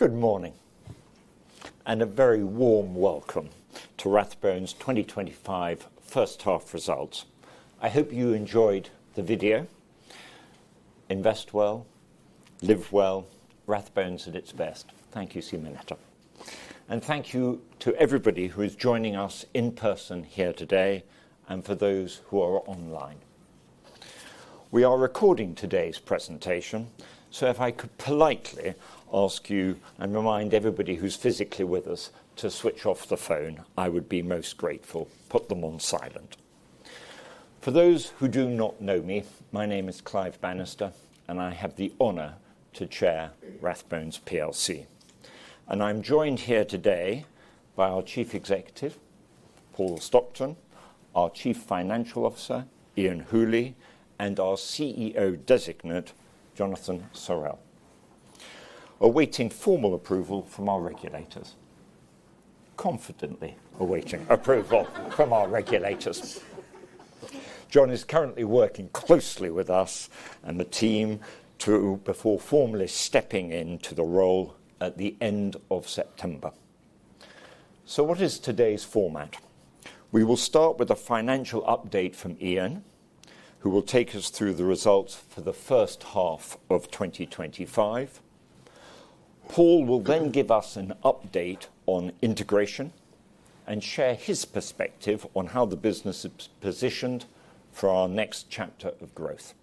Good morning and a very warm welcome to Rathbones' 2025 first half results. I hope you enjoyed the video. Invest well, live well. Rathbones at its best. Thank you, Simonetta. Thank you to everybody who is joining us in person here today. For those who are online, we are recording today's presentation. If I could politely ask you and remind everybody who's physically with us to switch off the phone, I would be most grateful. Put them on silent. For those who do not know me, my name is Clive Bannister and I have the honor to chair Rathbones Group Plc. I'm joined here today by our Chief Executive, Paul Stockton, our Chief Financial Officer, Iain Hooley, and our CEO designate, Jonathan Sorrell, awaiting formal approval from our regulators. Confidently awaiting approval from our regulators. Jon is currently working closely with us and the team before formally stepping into the role at the end of September. What is today's format? We will start with a financial update from Iain, who will take us through the results for the first half of 2025. Paul will then give us an update on integration and share his perspective on how the business is positioned for our next chapter of growth.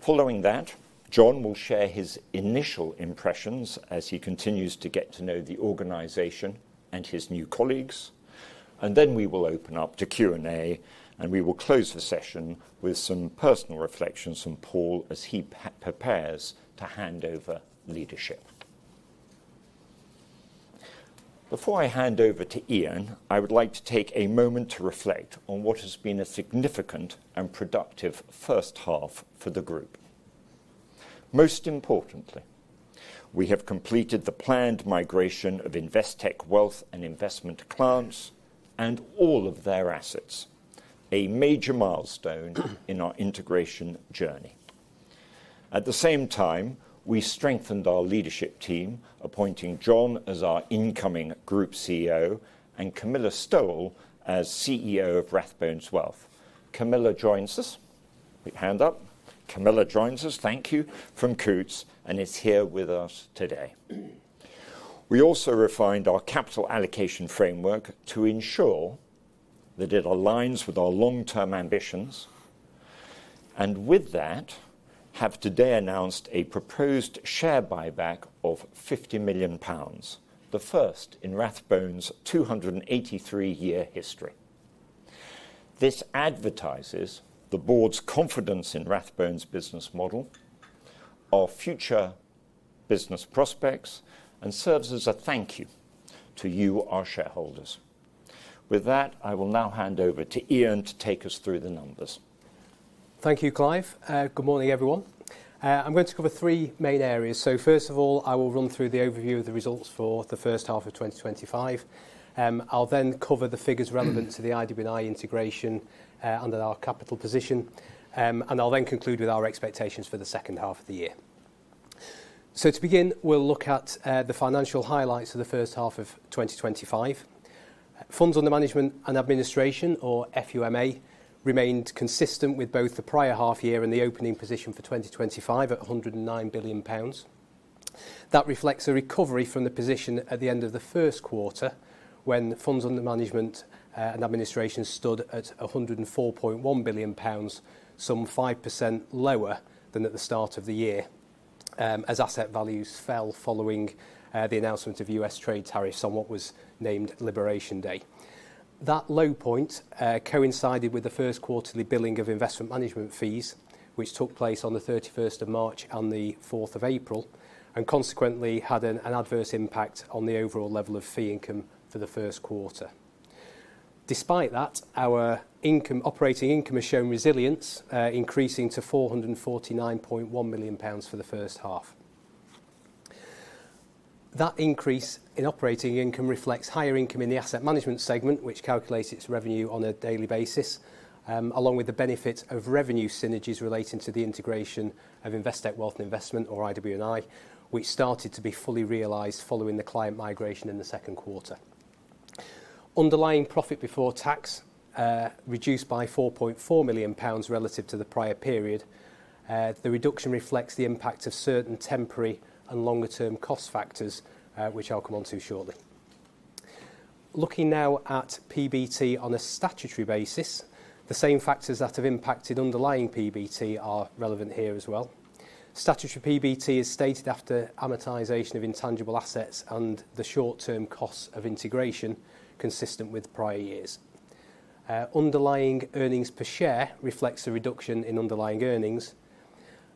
Following that, Jon will share his initial impressions as he continues to get to know the organization and his new colleagues. We will then open up to Q and A, and we will close the session with some personal reflections from Paul as he prepares to hand over leadership. Before I hand over to Iain, I would like to take a moment to reflect on what has been a significant and productive first half for the group. Most importantly, we have completed the planned migration of Investec Wealth & Investment clients and all of their assets, a major milestone in our integration journey. At the same time, we strengthened our leadership team, appointing Jon as our incoming Group CEO and Camilla Stowell as CEO of Rathbones Wealth. Camilla joins us. Thank you. From Coutts and is here with us today. We also refined our capital allocation framework to ensure that it aligns with our long-term ambitions. With that, we have today announced a proposed share buyback of 50 million pounds, the first in Rathbones' 283-year history. This advertises the Board's confidence in Rathbones' business model, our future business prospects, and serves as a thank you to you, our shareholders. With that, I will now hand over to Iain to take us through the numbers. Thank you, Clive. Good morning, everyone. I'm going to cover three main areas. First of all, I will run through the overview of the results for the first half of 2025. I'll then cover the figures relevant to the IW&I integration under our capital position, and I'll then conclude with our expectations for the second half of the year. To begin, we'll look at the financial highlights of the first half of 2025. Funds under management and administration, or FUMA, remained consistent with both the prior half year and the opening position for 2025 at 109 billion pounds. That reflects a recovery from the position at the end of the first quarter when funds under management and administration stood at 104.1 billion pounds, some 5% lower than at the start of the year as asset values fell following the announcement of U.S. trade tariffs on what was named Liberation Day. That low point coincided with the first quarterly billing of investment management fees, which took place on 31st of March and 4th of April, and consequently had an adverse impact on the overall level of fee income for the first quarter. Despite that, our operating income has shown resilience, increasing to 449.1 million pounds for the first half. That increase in operating income reflects higher income in the asset management segment, which calculates its revenue on a daily basis, along with the benefit of revenue synergies relating to the integration of Investec Wealth & Investment, or IW&I, which started to be fully realized following the client migration in the second quarter. Underlying profit before tax reduced by 4.4 million pounds relative to the prior period. The reduction reflects the impact of certain temporary and longer-term cost factors, which I'll come on to shortly. Looking now at PBT on a statutory basis, the same factors that have impacted underlying PBT are relevant here as well. Statutory PBT is stated after amortization of intangible assets and the short-term costs of integration, consistent with prior years. Underlying earnings per share reflects a reduction in underlying earnings,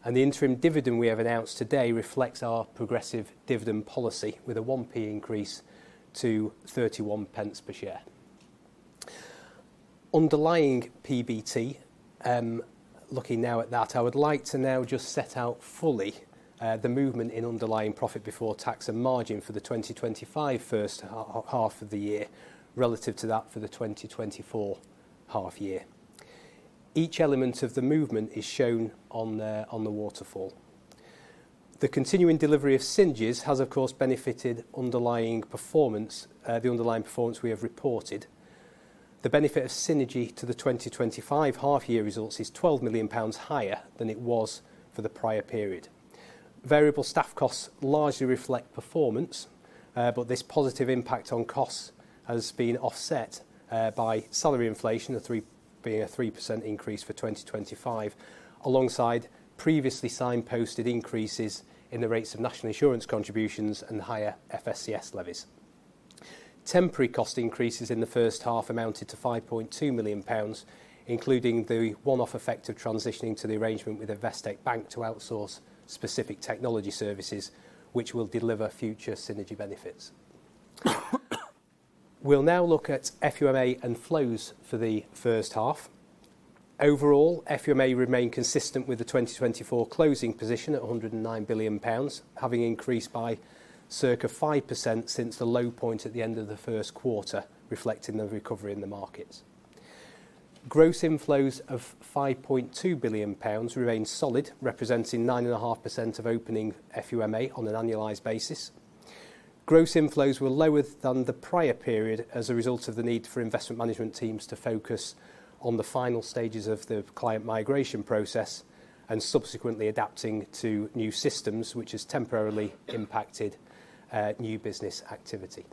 and the interim dividend we have announced today reflects our progressive dividend policy with a 0.01 increase to 0.31 per share. Underlying PBT, looking now at that, I would like to now just set out fully the movement in underlying profit before tax and margin for the 2025 first half of the year relative to that for the 2024 half year. Each element of the movement is shown on the waterfall. The continuing delivery of synergies has of course benefited the underlying performance we have reported. The benefit of synergy to the 2025 half year results is 12 million pounds higher than it was for the prior period. Variable staff costs largely reflect performance, but this positive impact on costs has been offset by salary inflation, the 3% increase for 2025 alongside previously signposted increases in the rates of National Insurance contributions and higher FSCS levies. Temporary cost increases in the first half amounted to 5.2 million pounds including the one-off effect of transitioning to the arrangement with Investec Bank to outsource specific technology services which will deliver future synergy benefits. We'll now look at FUMA and flows for the first half. Overall, FUMA remained consistent with the 2024 closing position at 109 billion pounds, having increased by circa 5% since the low point at the end of the first quarter reflecting the recovery in the markets. Gross inflows of 5.2 billion pounds remain solid, representing 9.5% of opening FUMA on an annualized basis. Gross inflows were lower than the prior period as a result of the need for investment management teams to focus on the final stages of the client migration process and subsequently adapting to new systems, which has temporarily impacted new business activity.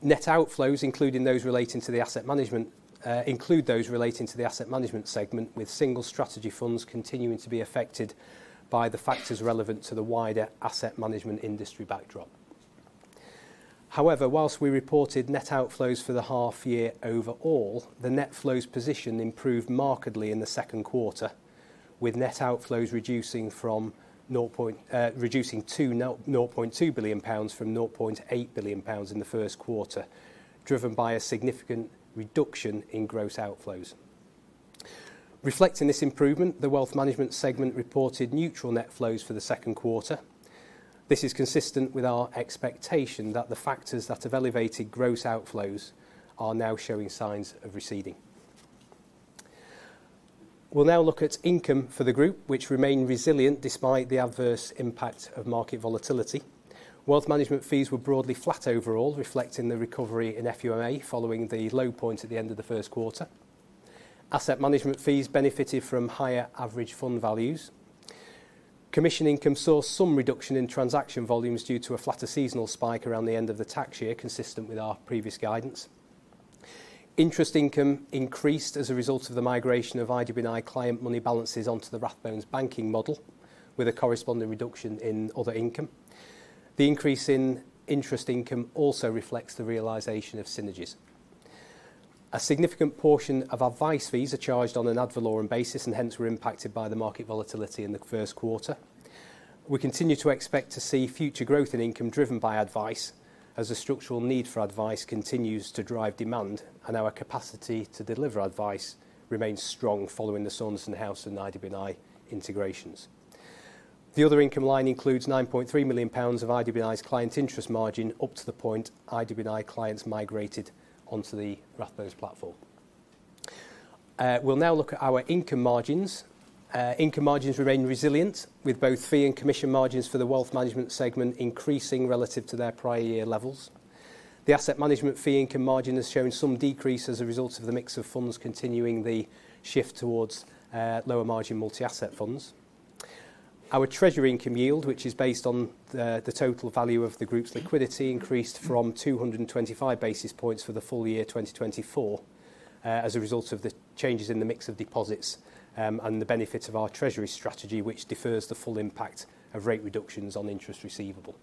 Net outflows, including those relating to the asset management segment, with single strategy funds continuing to be affected by the factors relevant to the wider asset management industry backdrop. However, whilst we reported net outflows for the half year, overall the net flows position improved markedly in the second quarter with net outflows reducing 0.2 billion pounds from 0.8 billion pounds in the first quarter, driven by a significant reduction in gross outflows. Reflecting this improvement, the wealth management segment reported neutral net flows for the second quarter. This is consistent with our expectation that the factors that have elevated gross outflows are now showing signs of receding. We'll now look at income for the group, which remained resilient despite the adverse impact of market volatility. Wealth management fees were broadly flat overall, reflecting the recovery in FUMA following the low point at the end of the first quarter. Asset management fees benefited from higher average fund values. Commission income saw some reduction in transaction volumes due to a flatter seasonal spike around the end of the tax year. Consistent with our previous guidance, interest income increased as a result of the migration of IW&I client money balances onto the Rathbones banking model with a corresponding reduction in other income. The increase in interest income also reflects the realization of synergies. A significant portion of advice fees are charged on an ad valorem basis and hence were impacted by the market volatility in the first quarter. We continue to expect to see future growth in income driven by advice as the structural need for advice continues to drive demand and our capacity to deliver advice remains strong. Following the Saunderson House and IW&I integrations, the other income line includes 9.3 million pounds of IW&I's client interest margin up to the point IW&I clients migrated onto the Rathbones platform. We'll now look at our income margins. Income margins remain resilient with both fee and commission margins for the wealth management segment increasing relative to their prior year levels. The asset management fee income margin has shown some decrease as a result of the mix of funds continuing the shift towards lower margin multi-asset funds. Our treasury income yield, which is based on the total value of the group's liquidity, increased to 225 basis points for the full year 2024 as a result of the changes in the mix of deposits and the benefit of our treasury strategy, which defers the full impact of rate reductions on interest receivable.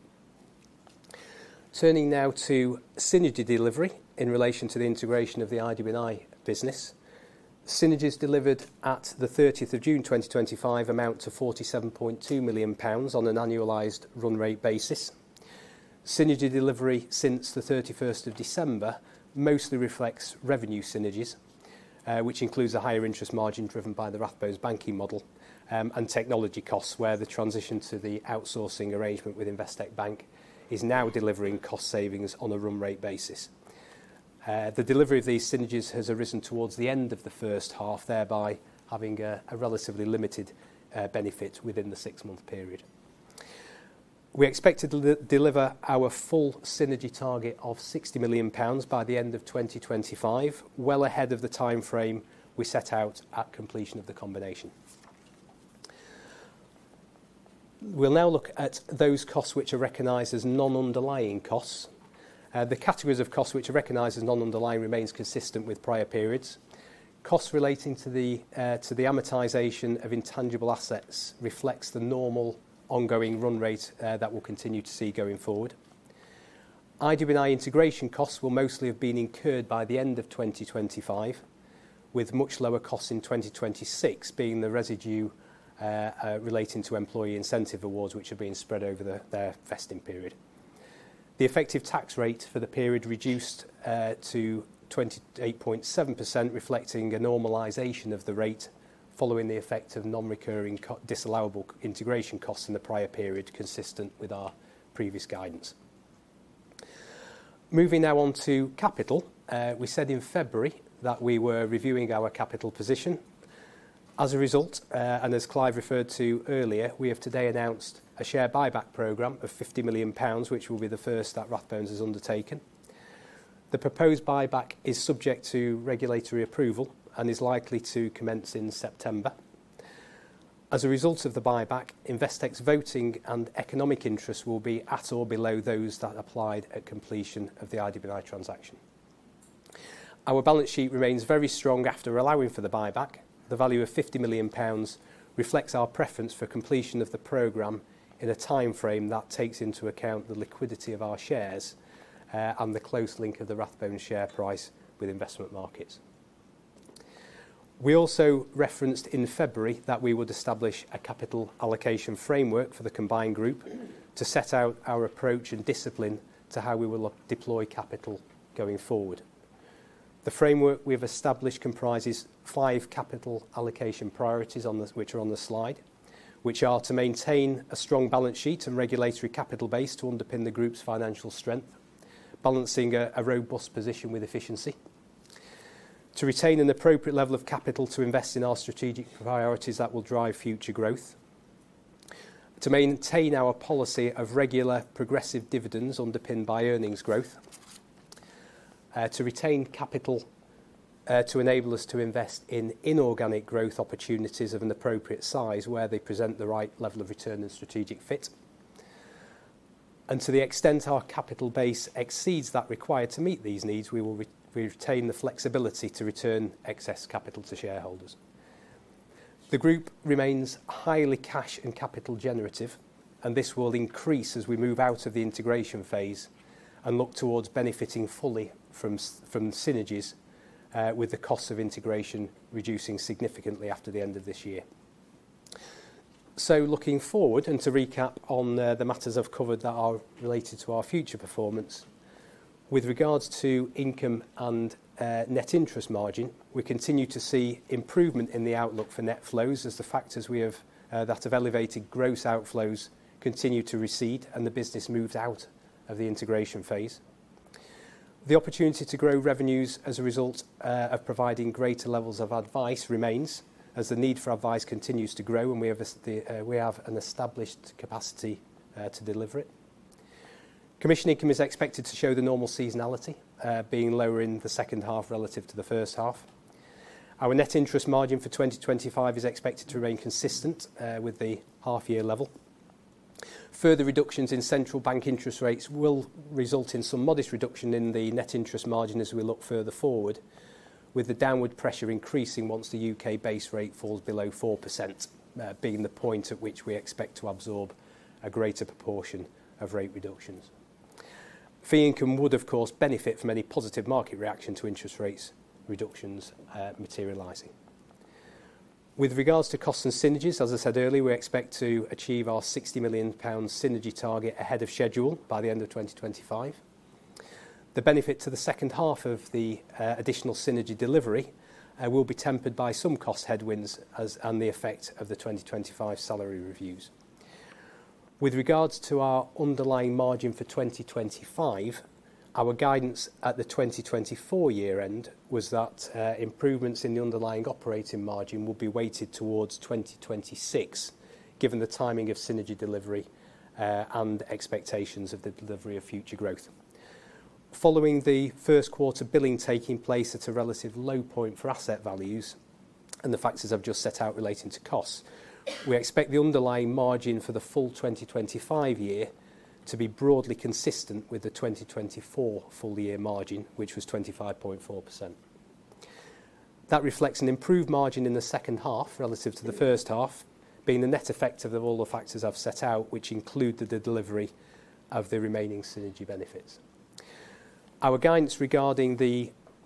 Turning now to synergy delivery in relation to the integration of the IW&I business, synergies delivered at 30th of June 2025 amount to 47.2 million pounds on an annualized run rate basis. Synergy delivery since 31st of December mostly reflects revenue synergies, which includes a higher interest margin driven by the Rathbones banking model and technology costs where the transition to the outsourcing arrangement with Investec Bank is now delivering cost savings on a run rate basis. The delivery of these synergies has arisen towards the end of the first half, thereby having a relatively limited benefit within the six-month period. We expect to deliver our full synergy target of 60 million pounds by the end of 2025, well ahead of the time frame we set out at completion of the combination. We'll now look at those costs which are recognized as non-underlying costs. The categories of costs which are recognized as non-underlying remain consistent with prior periods. Costs relating to the amortization of intangible assets reflect the normal ongoing run rate that we'll continue to see going forward. IW&I integration costs will mostly have been incurred by the end of 2025, with much lower costs in 2026 being the residue relating to employee incentive awards which are being spread over their vesting period. The effective tax rate for the period reduced to 28.7% reflecting a normalization of the rate following the effect of non-recurring disallowable integration costs in the prior period, consistent with our previous guidance. Moving now on to capital, we said in February that we were reviewing our capital position as a result and as Clive referred to earlier, we have today announced a share buyback program of 50 million pounds, which will be the first that Rathbones has undertaken. The proposed buyback is subject to regulatory approval and is likely to commence in September. As a result of the buyback, Investec's voting and economic interest will be at or below those that applied at completion of the IW&I transaction. Our balance sheet remains very strong after allowing for the buyback. The value of 50 million pounds reflects our preference for completion of the program in a time frame that takes into account the liquidity of our shares and the close link of the Rathbones share price with investment markets. We also referenced in February that we would establish a capital allocation framework for the combined group to set out our approach and discipline to how we will deploy capital going forward. The framework we have established comprises five capital allocation priorities which are on the slide, which are to maintain a strong balance sheet and regulatory capital base to underpin the Group's financial strength, balancing a robust position with efficiency to retain an appropriate level of capital to invest in our strategic priorities that will drive future growth, to maintain our policy of regular progressive dividends underpinned by earnings growth, to retain capital to enable us to invest in inorganic growth opportunities of an appropriate size where they present the right level of return and strategic fit, and to the extent our capital base exceeds that required to meet these needs, we will retain the flexibility to return excess capital to shareholders. The Group remains highly cash and capital generative, and this will increase as we move out of the integration phase and look towards benefiting fully from synergies, with the cost of integration reducing significantly after the end of this year. Looking forward and to recap on the matters I've covered that are related to our future performance with regards to income and net interest margin, we continue to see improvement in the outlook for net flows as the factors that have elevated gross outflows continue to recede and the business moves out of the integration phase. The opportunity to grow revenues as a result of providing greater levels of advice remains as the need for advice continues to grow, and we have an established capacity to deliver it. Commission income is expected to show the normal seasonality, being lower in the second half relative to the first half. Our net interest margin for 2025 is expected to remain consistent with the half year level. Further reductions in central bank interest rates will result in some modest reduction in the net interest margin as we look further forward, with the downward pressure increasing once the U.K. base rate falls below 4%, being the point at which we expect to absorb a greater proportion of rate reductions. Fee income would, of course, benefit from any positive market reaction to interest rate reductions materializing. With regards to costs and synergies, as I said earlier, we expect to achieve our GBP 60 million synergy target ahead of schedule by the end of 2025. The benefit to the second half of the additional synergy delivery will be tempered by some cost headwinds and the effect of the 2025 salary reviews. With regards to our underlying margin for 2025, our guidance at the 2024 year end was that improvements in the underlying operating margin will be weighted towards 2026. Given the timing of synergy delivery and expectations of the delivery of future growth following the first quarter billing taking place at a relative low point for asset values and the factors I've just set out relating to costs, we expect the underlying margin for the full 2025 year to be broadly consistent with the 2024 full year margin, which was 25.4%. That reflects an improved margin in the second half relative to the first half, being the net effect of all the factors I've set out, which include the delivery of the remaining synergy benefits. Our guidance regarding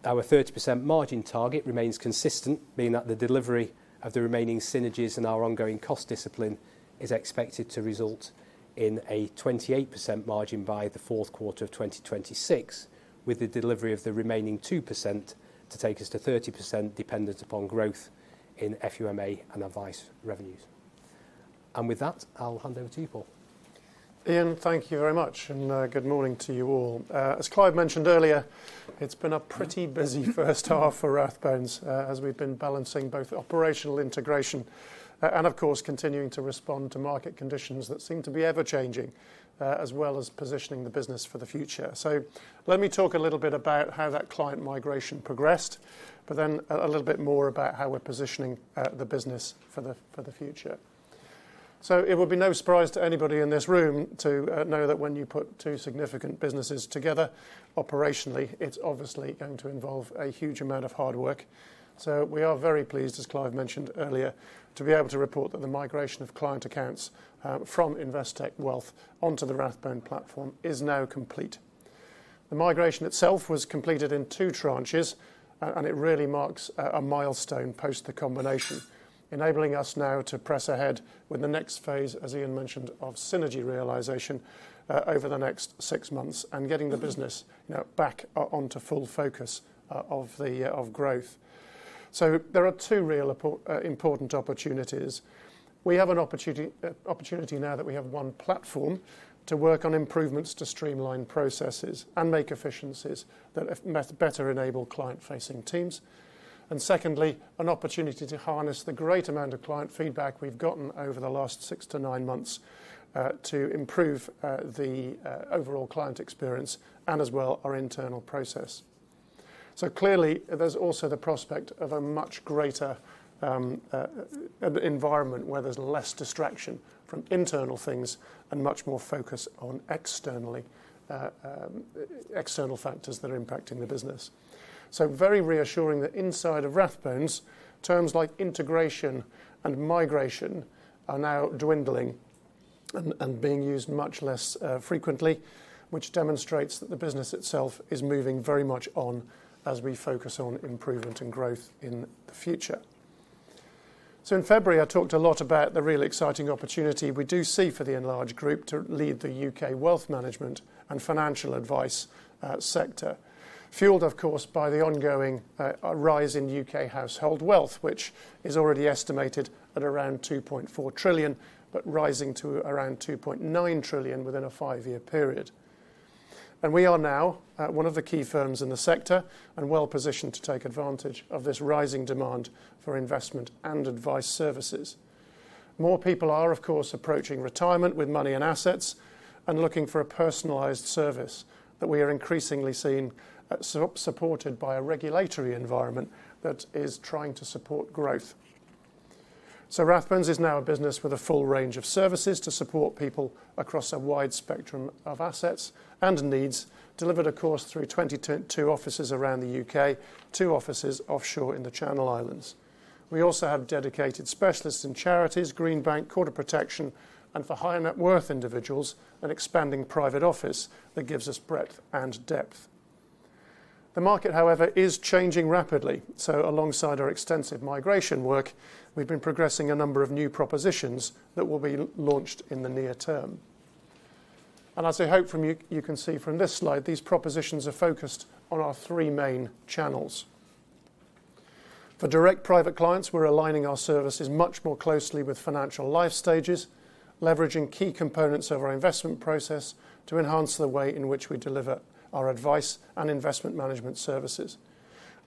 our 30% margin target remains consistent, being that the delivery of the remaining synergies and our ongoing cost discipline is expected to result in a 28% margin by the fourth quarter of 2026, with the delivery of the remaining 2% to take us to 30% dependent upon growth in FUMA and advice revenues. With that I'll hand over to you, Paul. Iain, thank you very much and good morning to you all. As Clive mentioned earlier, it's been a pretty busy first half for Rathbones, as we've been balancing both operational integration and, of course, continuing to respond to market conditions that seem to be ever changing, as well as positioning the business for the future. Let me talk a little bit about how that client migration progressed, but then a little bit more about how we're positioning the business for the future. It would be no surprise to anybody in this room to know that when you put two significant businesses together operationally, it's obviously going to involve a huge amount of hard work. We are very pleased, as Clive mentioned earlier, to be able to report that the migration of client accounts from Investec Wealth onto the Rathbones platform is now complete. The migration itself was completed in two tranches, and it really marks a milestone post the combination, enabling us now to press ahead with the next phase, as Iain mentioned, of synergy realization over the next six months and getting the business back onto full focus of growth. There are two real important opportunities. We have an opportunity now that we have one platform to work on improvements to streamline processes and make efficiencies that better enable client-facing teams. Secondly, an opportunity to harness the great amount of client feedback we've gotten over the last six to nine months to improve the overall client experience and as well our internal process. Clearly, there's also the prospect of a much greater environment where there's less distraction from internal things and much more focus on external factors that are impacting the business. It is very reassuring that inside of Rathbones, terms like integration and migration are now dwindling and being used much less frequently, which demonstrates that the business itself is moving very much on as we focus on improvement and growth in the future. In February, I talked a lot about the real exciting opportunity we do see for the enlarged group to lead the U.K. wealth management and financial advice sector, fueled, of course, by the ongoing rise in U.K. household wealth, which is already estimated at around 2.4 trillion, but rising to around 2.9 trillion within a five-year period. We are now one of the key firms in the sector and well positioned to take advantage of this rising demand for investment and advice services. More people are of course approaching retirement with money and assets and looking for a personalised service that we are increasingly seeing supported by a regulatory environment that is trying to support growth. So Rathbones is now a business with a full range of services to support people across a wide spectrum of assets and needs, delivered of course through 22 offices around the U.K., two offices offshore in the Channel Islands. We also have dedicated specialists in charities, Greenbank, quarter protection, and for higher net worth individuals, an expanding private office that gives us breadth and depth. The market, however, is changing rapidly. Alongside our extensive migration work, we've been progressing a number of new propositions that will be launched in the near term. As I hope you can see from this slide, these propositions are focused on our three main channels. For direct private clients, we're aligning our services much more closely with financial life stages, leveraging key components of our investment process to enhance the way in which we deliver our advice and investment management services.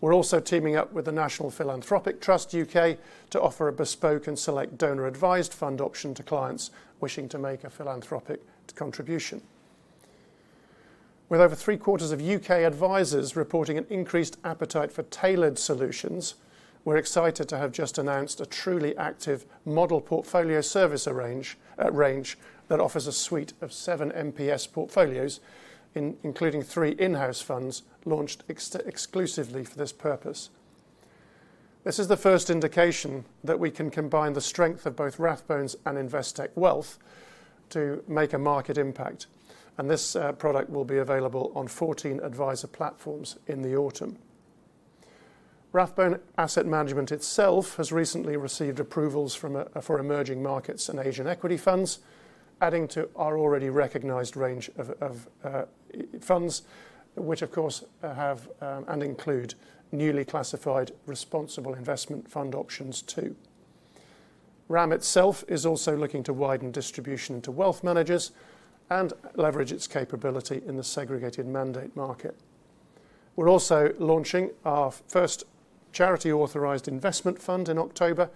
We're also teaming up with the National Philanthropic Trust U.K. to offer a bespoke and select donor-advised fund option to clients wishing to make a philanthropic contribution. With over 3/4 of U.K. advisors reporting an increased appetite for tailored solutions, we're excited to have just announced a truly active model portfolio service range that offers a suite of seven MPS portfolios, including three in-house funds launched exclusively for this purpose. This is the first indication that we can combine the strength of both Rathbones and Investec Wealth to make a market impact, and this product will be available on 14 advisor platforms in the autumn. Rathbone Asset Management itself has recently received approvals for emerging markets and Asian equity funds, adding to our already recognized range of funds which of course have and include newly classified responsible investment fund options too. RAM itself is also looking to widen distribution to wealth managers and leverage its capability in the segregated mandate market. We're also launching our first charity authorized investment fund in October,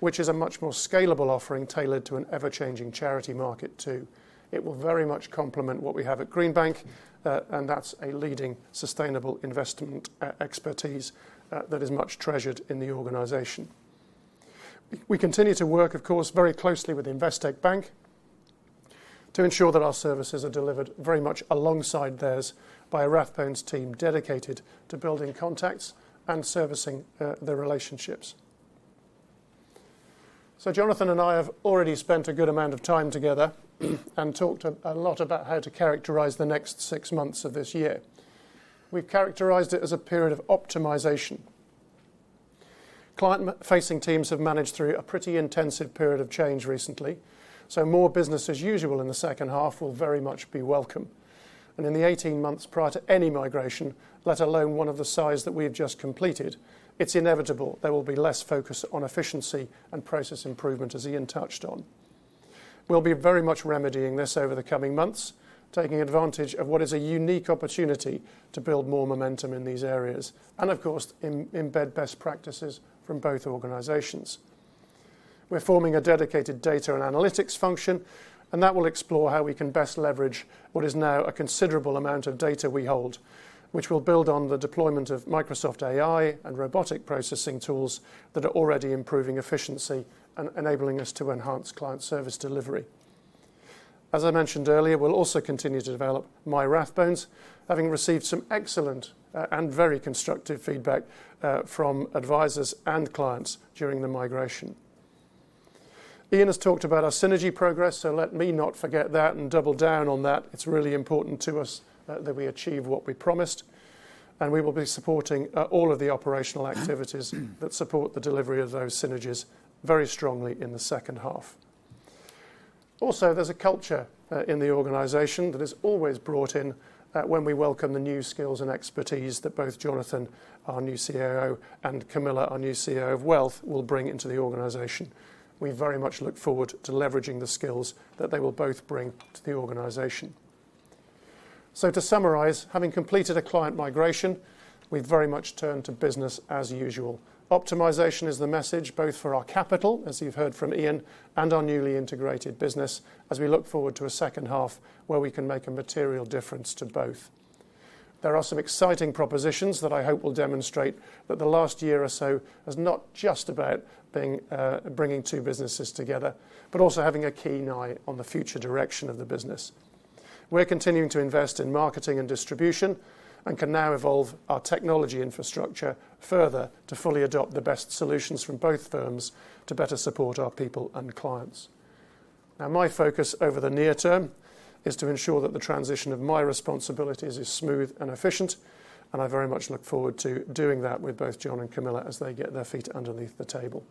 which is a much more scalable offering tailored to an ever-changing charity market too. It will very much complement what we have at Greenbank, and that's a leading sustainable investment expertise that is much treasured in the organization. We continue to work, of course, very closely with Investec Bank to ensure that our services are delivered very much alongside theirs by a Rathbones team dedicated to building contacts and servicing their relationships. Jonathan and I have already spent a good amount of time together and talked a lot about how to characterize the next six months of this year. We've characterized it as a period of optimization. Client-facing teams have managed through a pretty intensive period of change recently, so more business as usual in the second half will very much be welcome. In the 18 months prior to any migration, let alone one of the size that we have just completed, it's inevitable there will be less focus on efficiency and process improvement. As Iain touched on, we'll be very much remedying this over the coming months, taking advantage of what is a unique opportunity to build more momentum in these areas and, of course, embed best practices from both organizations. We're forming a dedicated data and analytics function, and that will explore how we can best leverage what is now a considerable amount of data we hold, which will build on the deployment of Microsoft AI and robotic processing tools that are already improving efficiency and enabling us to enhance client service delivery. As I mentioned earlier, we'll also continue to develop MyRathbones, having received some excellent and very constructive feedback from advisors and clients during the migration. Iain has talked about our synergy progress, so let me not forget that and double down on that. It's really important to us that we achieve what we promised, and we will be supporting all of the operational activities that support the delivery of those synergies very strongly in the second half. Also, there's a culture in the organization that is always brought in. When we welcome the new skills and expertise that both Jonathan, our new COO, and Camilla, our new CEO of Wealth, will bring into the organization, we very much look forward to leveraging the skills that they will both bring to the organization. To summarize, having completed a client migration, we very much turn to business as usual. Optimization is the message both for our capital, as you've heard from Iain, and our newly integrated business. As we look forward to a second half where we can make a material difference to both, there are some exciting propositions that I hope will demonstrate that the last year or so is not just about bringing two businesses together, but also having a keen eye on the future direction of the business. We're continuing to invest in marketing and distribution and can now evolve our technology infrastructure further to fully adopt the best solutions from both firms to better support our people and clients. My focus over the near term is to ensure that the transition of my responsibilities is smooth and efficient. I very much look forward to doing that with both Jon and Camilla as they get their feet underneath the table.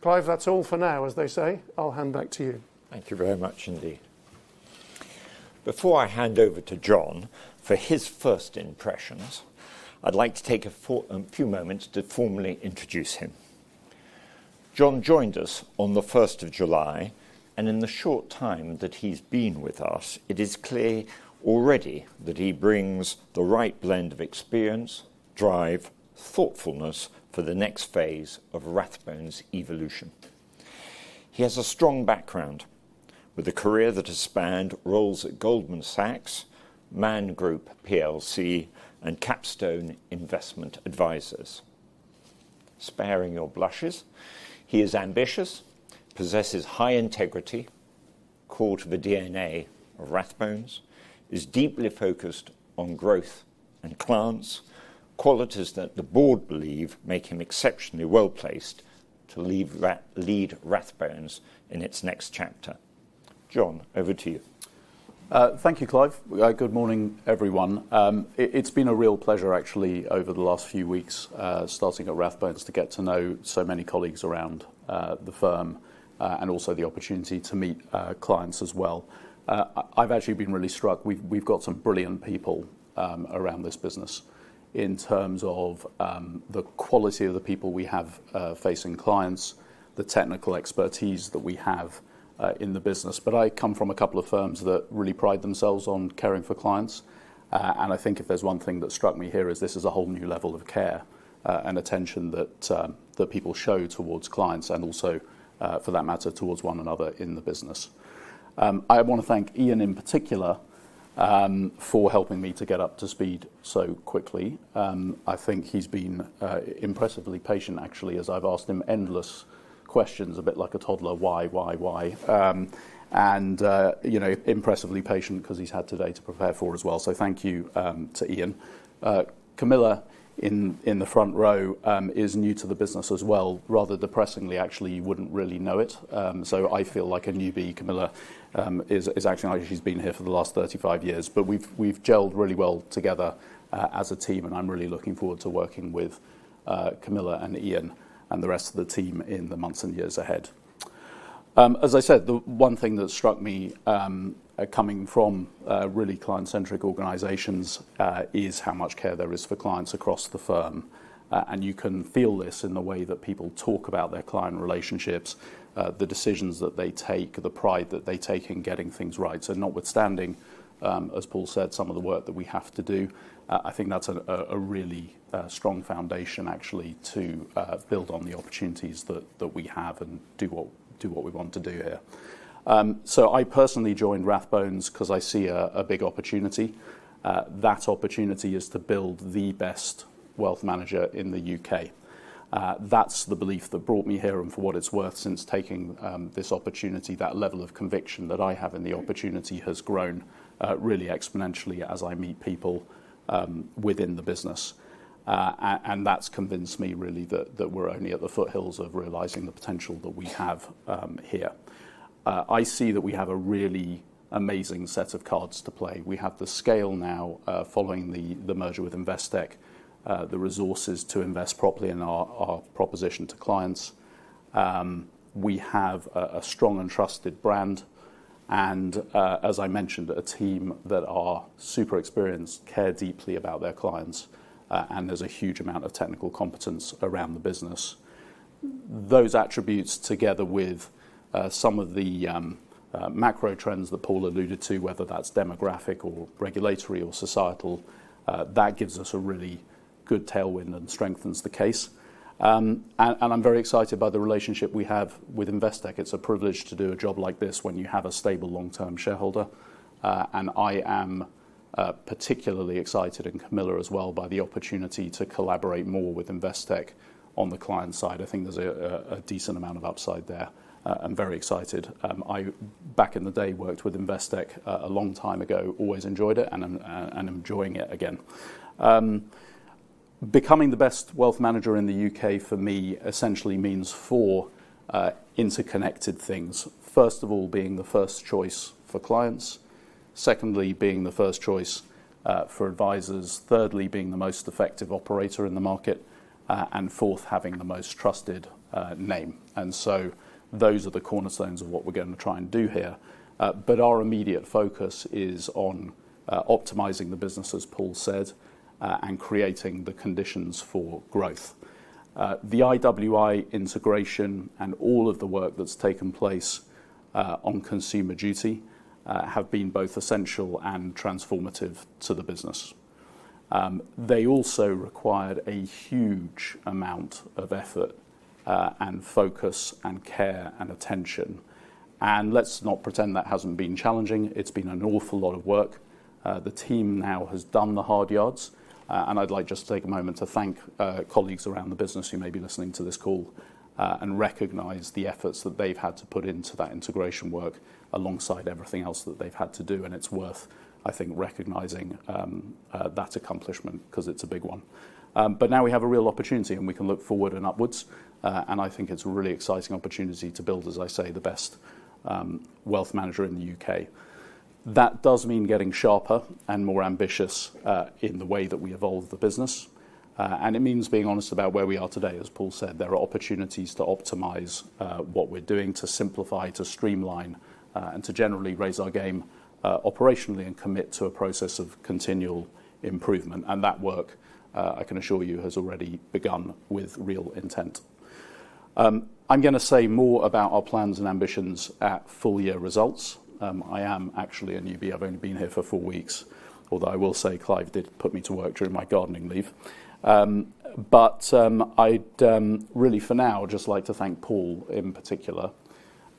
Clive, that's all for now, as they say. I'll hand back to you. Thank you very much indeed. Before I hand over to Jon for his first impressions, I'd like to take a few moments to formally introduce him. Jon joined us on the 1st of July, and in the short time that he's been with us, it is clear already that he brings the right blend of experience, drive, and thoughtfulness for the next phase of Rathbones' evolution. He has a strong background with a career that has spanned roles at Goldman Sachs, Man Group plc, and Capstone Investment Advisors. Sparing your blushes, he is ambitious, possesses high integrity, core to the DNA of Rathbones, and is deeply focused on growth and clients, qualities that the board believe make him exceptionally well placed to lead Rathbones in its next chapter. Jon, over to you. Thank you, Clive. Good morning, everyone. It's been a real pleasure, actually, over the last few weeks, starting at Rathbones, to get to know so many colleagues around the firm and also the opportunity to meet clients as well. I've actually been really struck. We've got some brilliant people around this business in terms of the quality of the people we have facing clients, the technical expertise that we have in the business. I come from a couple of firms that really pride themselves on caring for clients. I think if there's one thing that struck me here, it is this is a whole new level of care and attention that people show towards clients and also, for that matter, towards one another in the business. I want to thank Iain in particular for helping me to get up to speed so quickly. I think he's been impressively patient, actually, as I've asked him endless questions. A bit like a toddler. Why, why, why? Impressively patient because he's had today to prepare for as well. Thank you to Iain. Camilla in the front row is new to the business as well. Rather depressingly, actually, you wouldn't really know it, so I feel like a newbie. Camilla is actually, she's been here for the last 35 years, but we've gelled really well together as a team and I'm really looking forward to working with Camilla and Iain and the rest of the team in the months and years ahead. As I said, the one thing that struck me coming from really client-centric organizations is how much care there is for clients across the firm. You can feel this in the way that people talk about their client relationships, the decisions that they take, the pride that they take in getting things right. Notwithstanding, as Paul said, some of the work that we have to do, I think that's a really strong foundation to build on the opportunities that we have and do what we want to do here. I personally joined Rathbones because I see a big opportunity. That opportunity is to build the best wealth manager in the U.K.. That's the belief that brought me here. For what it's worth, since taking this opportunity, that level of conviction that I have in the opportunity has grown really exponentially as I meet people within the business. That's convinced me that we're only at the foothills of realizing the potential that we have here. I see that we have a really amazing set of cards to play. We have the scale now following the merger with Investec, the resources to invest properly in our profit proposition to clients. We have a strong and trusted brand and, as I mentioned, a team that are super experienced, care deeply about their clients, and there's a huge amount of technical competence around the business. Those attributes, together with some of the macro trends that Paul alluded to, whether that's demographic, regulatory, or societal, give us a really good tailwind and strengthen the case. I'm very excited by the relationship we have with Investec. It's a privilege to do a job like this when you have a stable, long-term shareholder. I am particularly excited in Camilla as well by the opportunity to collaborate more with Investec on the client side. I think there's a decent amount of upside there. I'm very excited. I, back in the day, worked with Investec a long time ago, always enjoyed it and enjoying it again. Becoming the best wealth manager in the U.K. for me essentially means four interconnected things. First of all, being the first choice for clients, secondly, being the first choice for advisors, thirdly, being the most effective operator in the market, and fourth, having the most trusted name. Those are the cornerstones of what we're going to try and do here. Our immediate focus is on optimizing the business, as Paul said, and creating the conditions for growth. The IW&I integration and all of the work that's taken place on consumer duty have been both essential and transformative to the business. They also required a huge amount of effort, focus, care, and attention. Let's not pretend that hasn't been challenging. It's been an awful lot of work. The team now has done the hard yards and I'd like to just take a moment to thank colleagues around the business who may be listening to this call and recognize the efforts that they've had to put into that integration work alongside everything else that they've had to do. It's worth, I think, recognizing that accomplishment because it's a big one. Now we have a real opportunity and we can look forward and upwards and I think it's a really exciting opportunity to build, as I say, the best wealth manager in the U.K. That does mean getting sharper and more ambitious in the way that we evolve the business. It means being honest about where we are today. As Paul said, there are opportunities to optimize what we're doing, to simplify, to streamline, and to generally raise our game operationally and commit to a process of continual improvement. That work, I can assure you, has already begun with real intent. I'm going to say more about our plans and ambitions at full year results. I am actually a newbie. I've only been here for four weeks, although I will say Clive did put me to work during my gardening leave. For now, I'd really just like to thank Paul in particular.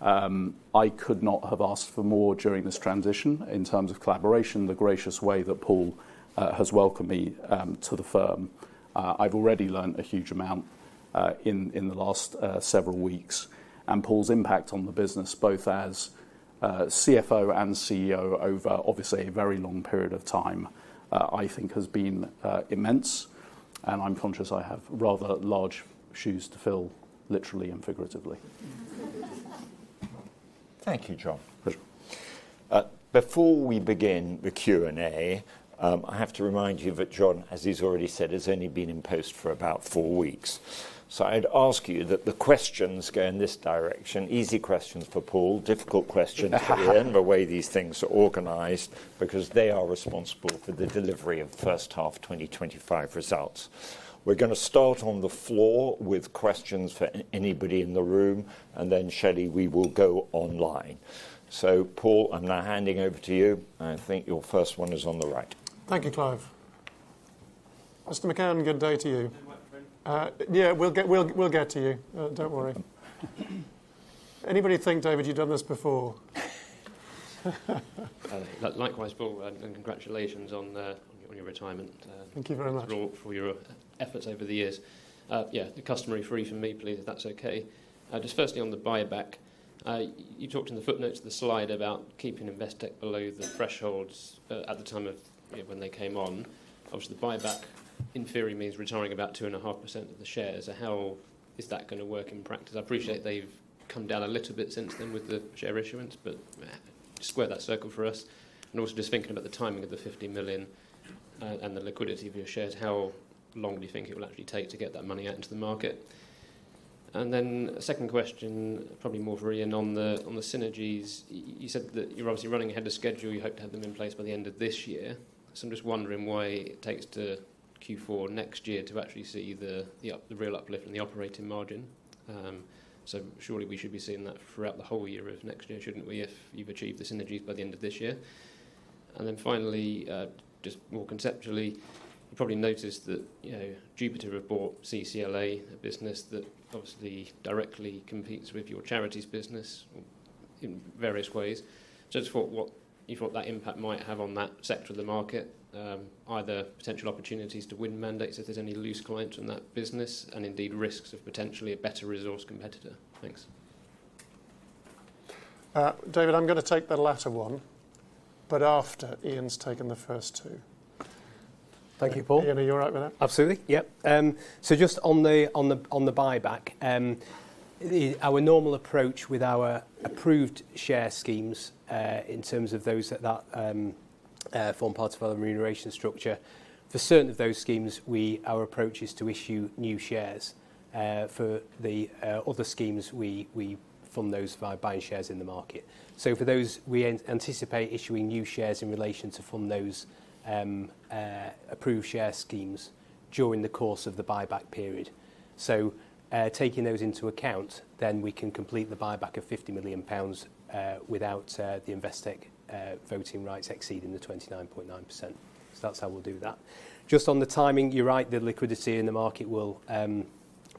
I could not have asked for more during this transition in terms of collaboration, the gracious way that Paul has welcomed me to the firm. I've already learned a huge amount in the last several weeks, and Paul's impact on the business, both as CFO and CEO, over obviously a very long period of time, I think has been immense. I'm conscious I have rather large shoes to fill, literally and figuratively. Thank you, Jon. Before we begin the Q and A, I have to remind you that Jon, as he's already said, has only been in post for about four weeks. I'd ask you that the questions go in this direction. Easy questions for Paul, difficult questions the way these things are organized because they are responsible for the delivery of first half 2025 results. We're going to start on the floor with questions for anybody in the room, and then, Shelly, we will go online. Paul, I'm now handing over to you. I think your first one is on the right. Thank you, Clive. Mr. McCann, good day to you. We'll get to you, don't worry. Anybody think, David, you've done this before. Likewise, Paul, congratulations on your retirement. Thank you very much for your efforts over the years. The customary three from me, please, if that's okay. Just firstly on the buyback, you talked in the footnotes of the slide about keeping Investec below the thresholds at the time of when they came on. Obviously, the buyback in theory means retiring about 2.5% of the shares. How is that going to work in practice? I appreciate they've come down a little bit since then with the share issuance, but square that circle for us. Also, just thinking about the timing of the 50 million and the liquidity of your shares, how long do you think it will actually take to get that money out into the market? Second question, probably more for Iain on the synergies. You said that you're obviously running ahead of schedule, you hope to have them in place by the end of this year. I'm just wondering why it takes to Q4 next year to actually see the real uplift in the operating margin. Surely we should be seeing that throughout the whole year of next year, shouldn't we, if you've achieved the synergies by the end of this year? Finally, just more conceptually, you probably noticed that Jupiter reported CCLA, a business that obviously directly competes with your charity authorized investment fund business in various ways. What do you think that impact might have on that sector of the market, either potential opportunities to win mandates if there's any loose clients in that business, and indeed risks of potentially a better resourced competitor? Thanks. David. I'm going to take the latter one, after Iain's taken the first two. Thank you, Paul. Iain, are you alright with that? Absolutely, yep. Just on the buyback, our normal approach with our approved share schemes in terms of those that form part of our remuneration structure: for certain of those schemes, our approach is to issue new shares. For the other schemes, we fund those by buying shares in the market. For those, we anticipate issuing new shares in relation to fund those approved share schemes during the course of the buyback period. Taking those into account, we can complete the buyback of 50 million pounds without the Investec voting rights exceeding the 29.9%. That's how we'll do that. Just on the timing, you're right, the liquidity in the market will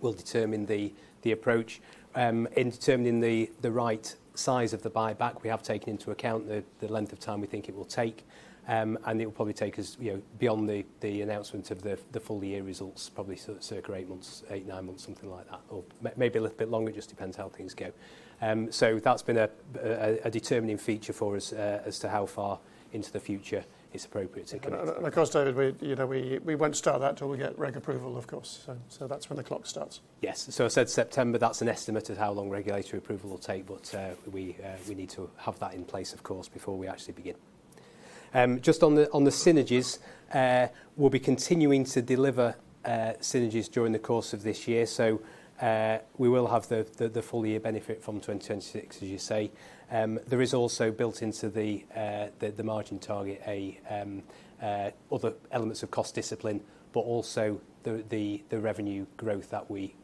determine the approach. In determining the right size of the buyback, we have taken into account the length of time we think it will take, and it will probably take us beyond the announcement of the full year results, probably circa eight months, eight, nine months, something like that, or maybe a little bit longer. It just depends how things go. That's been a determining feature for us as to how far into the future it's appropriate to connect. Of course, David, we won't start that until we get regulatory approval. That's when the clock starts. Yes, so I said September. That's an estimate of how long regulatory approval will take. We need to have that in place, of course, because before we actually begin just on the synergies, we'll be continuing to deliver synergies during the course of this year. We will have the full year benefit from 2026, as you say. There is also built into the margin target other elements of cost discipline, but also the revenue growth that we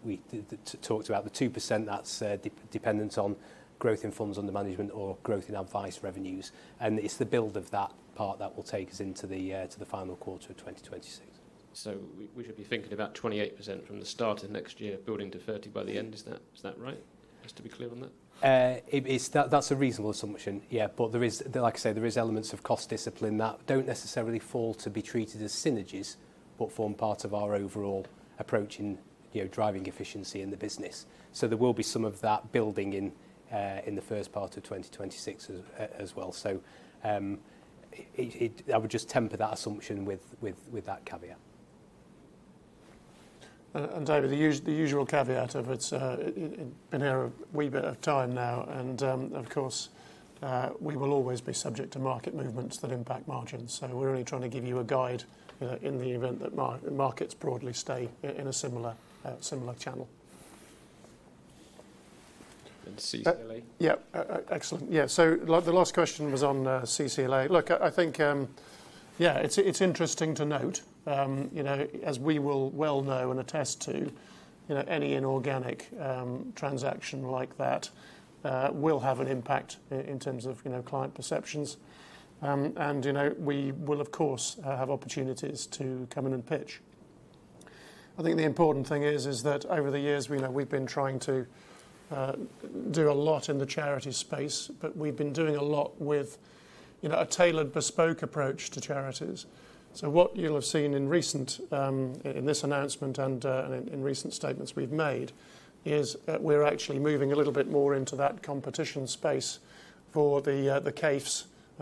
talked about, the 2% that's dependent on growth in funds under management or growth in advice revenues. It's the build of that part that will take us into the final quarter of 2026. We should be thinking about 28% from the start of next year, building to 30% by the end. Is that right? Just to be clear on that. That's a reasonable assumption. There is, like I say, elements of cost discipline that don't necessarily fall to be treated as synergies, but form part of our overall approach in driving efficiency in the business. There will be some of that building in, in the first part of 2026 as well. I would just temper that assumption with that caveat. David, the usual caveat of it's been here a wee bit of time now and of course we will always be subject to market movements that impact margins. We're only trying to give you a guide, in the event that markets broadly stay in a similar channel. Yeah, excellent. The last question was on CCLA. I think it's interesting to note, as we will well know and attest to, any inorganic transaction like that will have an impact in terms of client perceptions and we will, of course, have opportunities to come in and pitch. The important thing is that over the years we've been trying to do a lot in the charity space, but we've been doing a lot with a tailored bespoke approach to charities. What you'll have seen in this announcement and in recent statements we've made is we're actually moving a little bit more into that competition space for the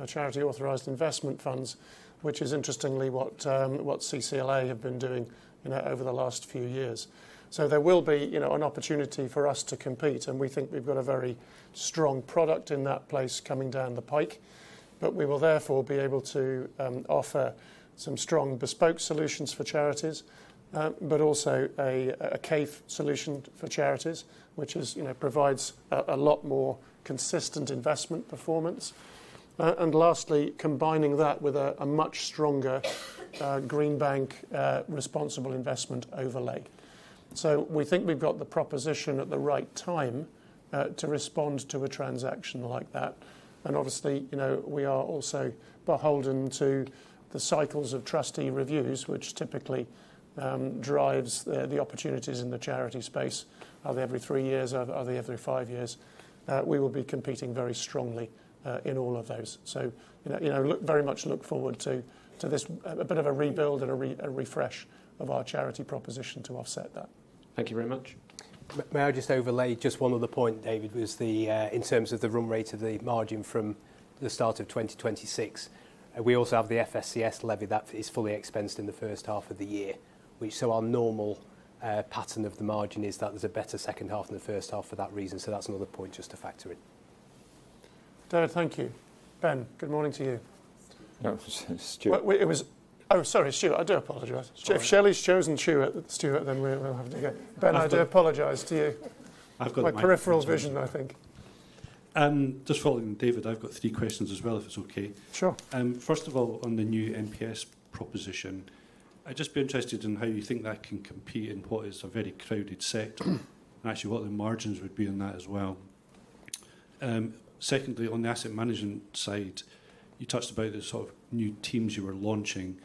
charity authorized investment funds, which is, interestingly, what CCLA have been doing over the last few years. There will be an opportunity for us to compete and we think we've got a very strong product in that place coming down the pike. We will therefore be able to offer some strong bespoke solutions for charities, but also a CAIF solution for charities, which provides a lot more consistent investment performance. Lastly, combining that with a much stronger green bank responsible investment overlay. We think we've got the proposition at the right time to respond to a transaction like that. Obviously, we are also beholden to the cycles of trustee reviews, which typically drives the opportunities in the charity space. Are they every three years? Are they every five years? We will be competing very strongly in all of those. Very much look forward to this. A bit of a rebuild and a refresh of our charity proposition to offset that. Thank you very much. May I just overlay just one other point, David? In terms of the run rate of the margin from the start of 2026, we also have the FSCS levy that is fully expensed in the first half of the year. Our normal pattern of the margin is that there's a better second half than the first half for that reason. That's another point just to factor in. David. Thank you, Ben. Good morning to you, Stuart. Oh, sorry, Stuart, I do apologize. If Shelly's chosen Stuart, then we'll have to go. Ben, I do apologize to you. My peripheral vision, I think. Just following David, I've got three questions as well, if it's okay. Sure. First of all, on the new MPS proposition, I'd just be interested in how you think that can compete in what is a very crowded sector, actually what the margins would be in that as well. Secondly, on the asset management side, you touched about the sort of new teams you were launching.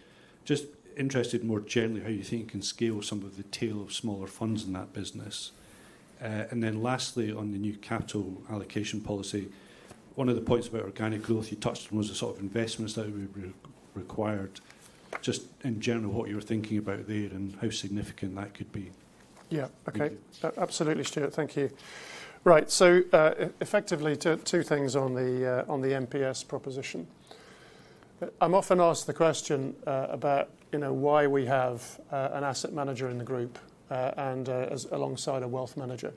Just interested more generally how you think we scale some of the tail of smaller funds in that business. Lastly, on the new capital allocation policy, one of the points about organic growth you touched on was the sort of investments that we required. Just in general, what you're thinking about there and how significant that could be. Yeah, okay, absolutely, Stuart, thank you. Right, so effectively two things on the MPS proposition. I'm often asked the question about why we have an asset manager in the group and alongside a wealth manager.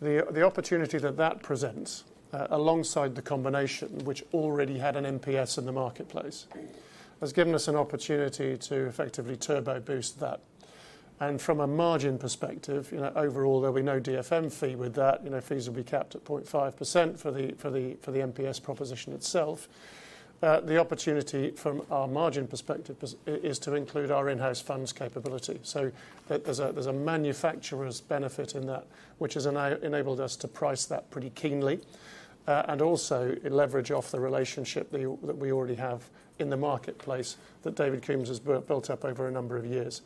The opportunity that that presents alongside the combination which already had an MPS in the marketplace has given us an opportunity to effectively turbo boost that. From a margin perspective, overall there'll be no DFM fee. With that, fees will be capped at 0.5% for the MPS proposition itself. The opportunity from our margin perspective is to include our in-house funds capability. There's a manufacturer's benefit in that which has enabled us to price that pretty keenly and also leverage off the relationship that we already have in the marketplace that David Coombs has built up over a number of years.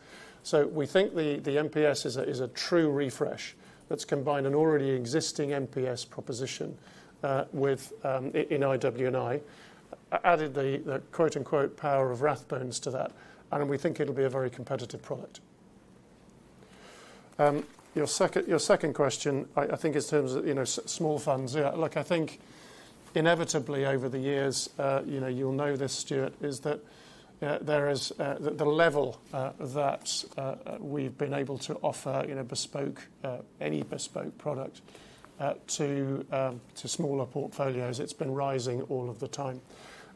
We think the MPS is a true refresh that's combined an already existing MPS proposition in IW&I. I added the quote unquote power of Rathbones to that and we think it'll be a very competitive product. Your second question I think is in terms of small funds. I think inevitably over the years you'll know this, Stuart, the level that we've been able to offer any bespoke product to smaller portfolios, it's been rising all of the time,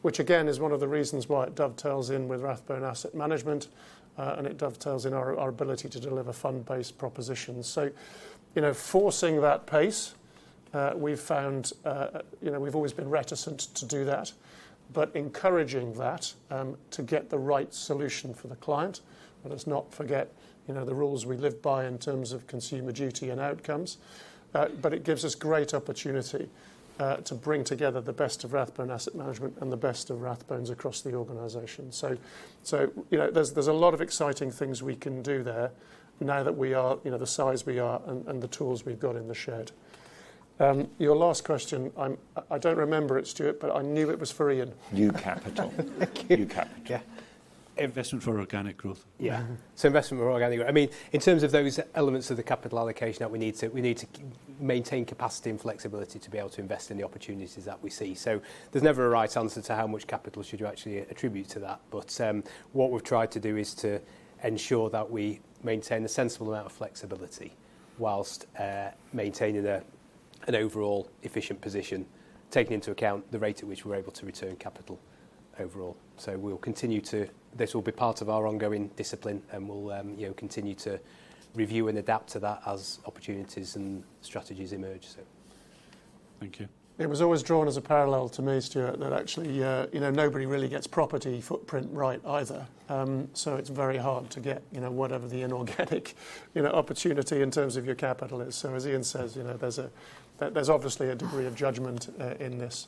which again is one of the reasons why it dovetails in with Rathbone Asset Management and it dovetails in our ability to deliver fund-based propositions. Forcing that pace, we've found, we've always been reticent to do that, but encouraging that to get the right solution for the client. Let's not forget the rules we live by in terms of consumer duty and outcomes. It gives us great opportunity to bring together the best of Rathbone Asset Management and the best of Rathbones across the organization. There's a lot of exciting things we can do there now that we are the size we are and the tools we've got in the shed. Your last question. I don't remember it, Stuart, but I knew it was for Iain. New capital. Investment for organic growth. Yeah. Investment for organic growth, in terms of those elements of the capital allocation that we need to maintain capacity and flexibility to be able to invest in the opportunities that we see, there's never a right answer to how much capital you should actually attribute to that. What we've tried to do is to ensure that we maintain the second amount of flexibility whilst maintaining an overall efficient position, taking into account the rate at which we're able to return capital overall. We'll continue to, this will be part of our ongoing discipline, and we'll continue to review and adapt to that as opportunities and strategies emerge. Thank you. It was always drawn as a parallel to me, Stuart, that actually nobody really gets property footprint right, right, either. It's very hard to get whatever the inorganic opportunity in terms of your capital is. As Iain says, there's obviously a degree of judgment in this.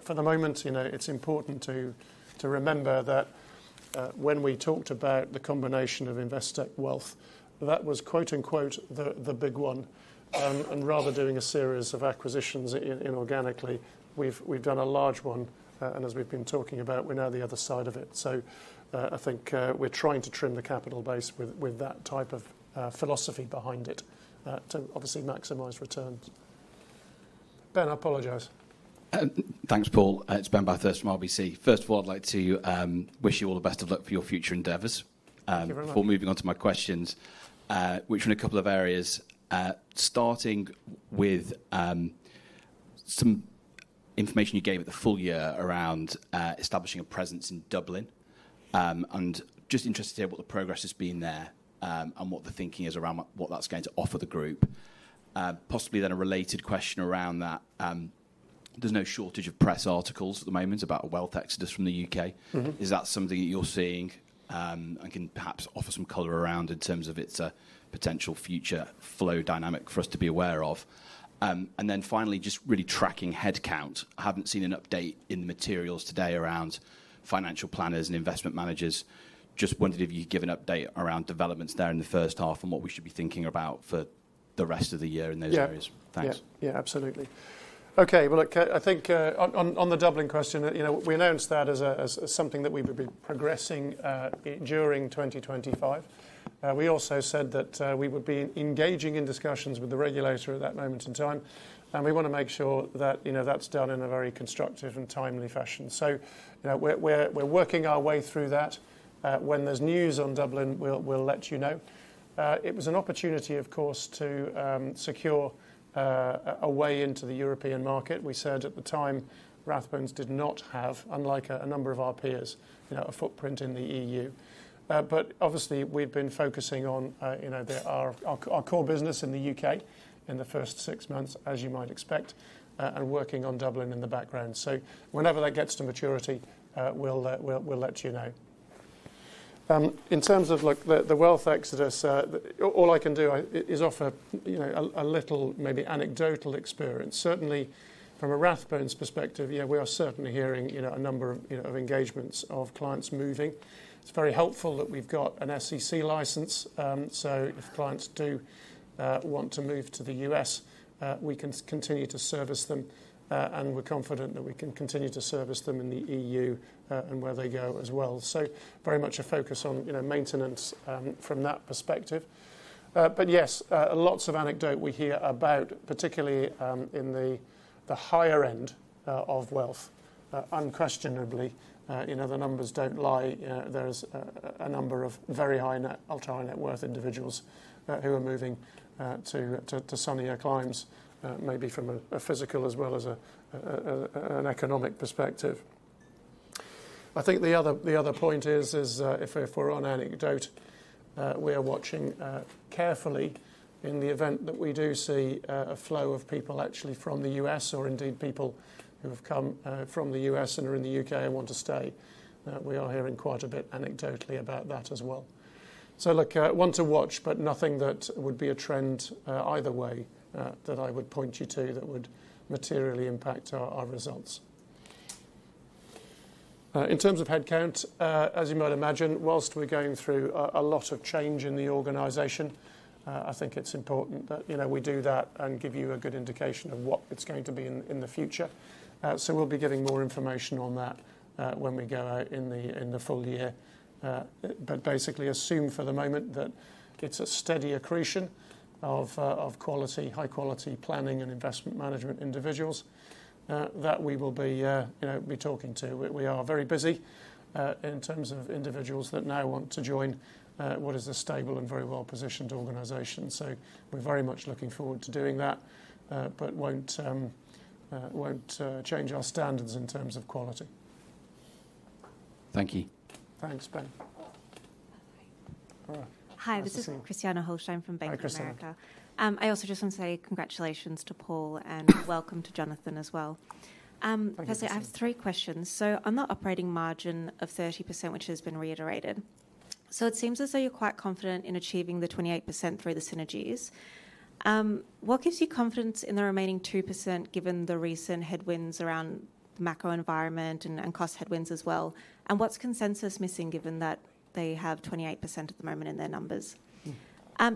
For the moment, it's important to remember that when we talked about the combination of Investec Wealth, that was, quote unquote, the big one, and rather than doing a series of acquisitions inorganically, we've done a large one, and as we've been talking about, we're now the other side of it. I think we're trying to trim the capital base with that type of philosophy behind it to obviously maximize returns. Ben, I apologize. Thanks, Paul. It's Ben Bathurst from RBC. First of all, I'd like to wish you all the best of luck for your future endeavors before moving on to my questions are in a couple of areas. Starting with some information you gave at the full year around establishing a presence in Dublin, I'm just interested to hear what the progress has been there and what the thinking is around what that's going to offer the group. Possibly a related question around that, there's no shortage of press articles at the moment about a wealth exodus from the U.K. Is that something that you're seeing? Can perhaps offer some color around in terms of its potential future flow dynamic for us to be aware of. Finally, just really tracking headcount. I haven't seen an update in the materials today around financial planners and investment managers. Just wondered if you could give an update around developments there in the first half and what we should be thinking about for the rest of the year in those areas. Thanks. Yeah, absolutely. On the Dublin question, we announced that as something that we would be progressing during 2025. We also said that we would be engaging in discussions with the regulator at that moment in time, and we want to make sure that that's done in a very constructive and timely fashion. We're working our way through that. When there's news on Dublin, we'll let you know. It was an opportunity, of course, to secure a way into the European market. We said at the time Rathbones did not have, unlike a number of our peers, a footprint in the EU. Obviously, we've been focusing on our core business in the U.K. in the first six months, as you might expect, and working on Dublin in the background. Whenever that gets to maturity, we'll let you know. In terms of the wealth exodus, all I can do is offer a little, maybe anecdotal experience. Certainly from a Rathbones perspective, we are certainly hearing a number of engagements of clients moving. It's very helpful that we've got an SEC license, so if clients do want to move to the U.S., we can continue to service them and we're confident that we can continue to service them in the EU and where they go as well. Very much a focus on maintenance from that perspective. Yes, lots of anecdote we hear about, particularly in the higher end of wealth. Unquestionably, the numbers don't lie. There's a number of very high, ultra high net worth individuals who are moving to sunnier climes, maybe from a physical as well as an economic perspective. The other point is, if we're on anecdote, we are watching carefully in the event that we do see a flow of people actually from the U.S., or indeed people who have come from the U.S. and are in the U.K. and want to stay. We are hearing quite a bit anecdotally about that as well. One to watch, but nothing that would be a trend either way that I would point you to that would materially impact our results in terms of headcount, as you might imagine. Whilst we're going through a lot of change in the organization, I think it's important that we do that and give you a good indication of what it's going to be in the future. We'll be giving more information on that when we go out in the full year, but basically assume for the moment that it's a steady accretion of quality, high quality planning and investment management individuals that we will be talking to. We are very busy in terms of individuals that now want to join what is a stable and very well positioned organization. We're very much looking forward to doing that but won't change our standards in terms of quality. Thank you. Thanks, Ben. Hi, this is [Christiana Holstein] from Bank of America. I also just want to say congratulations to Paul and welcome to Jonathan as well. I have three questions. On the operating margin of 30% which has been reiterated, it seems as though you're quite confident in achieving the 28% through the synergies. What gives you confidence in the remaining 2% given the recent headwinds around the macro environment and cost headwinds as well, and what's consensus missing given that they have 28% at the moment in their numbers?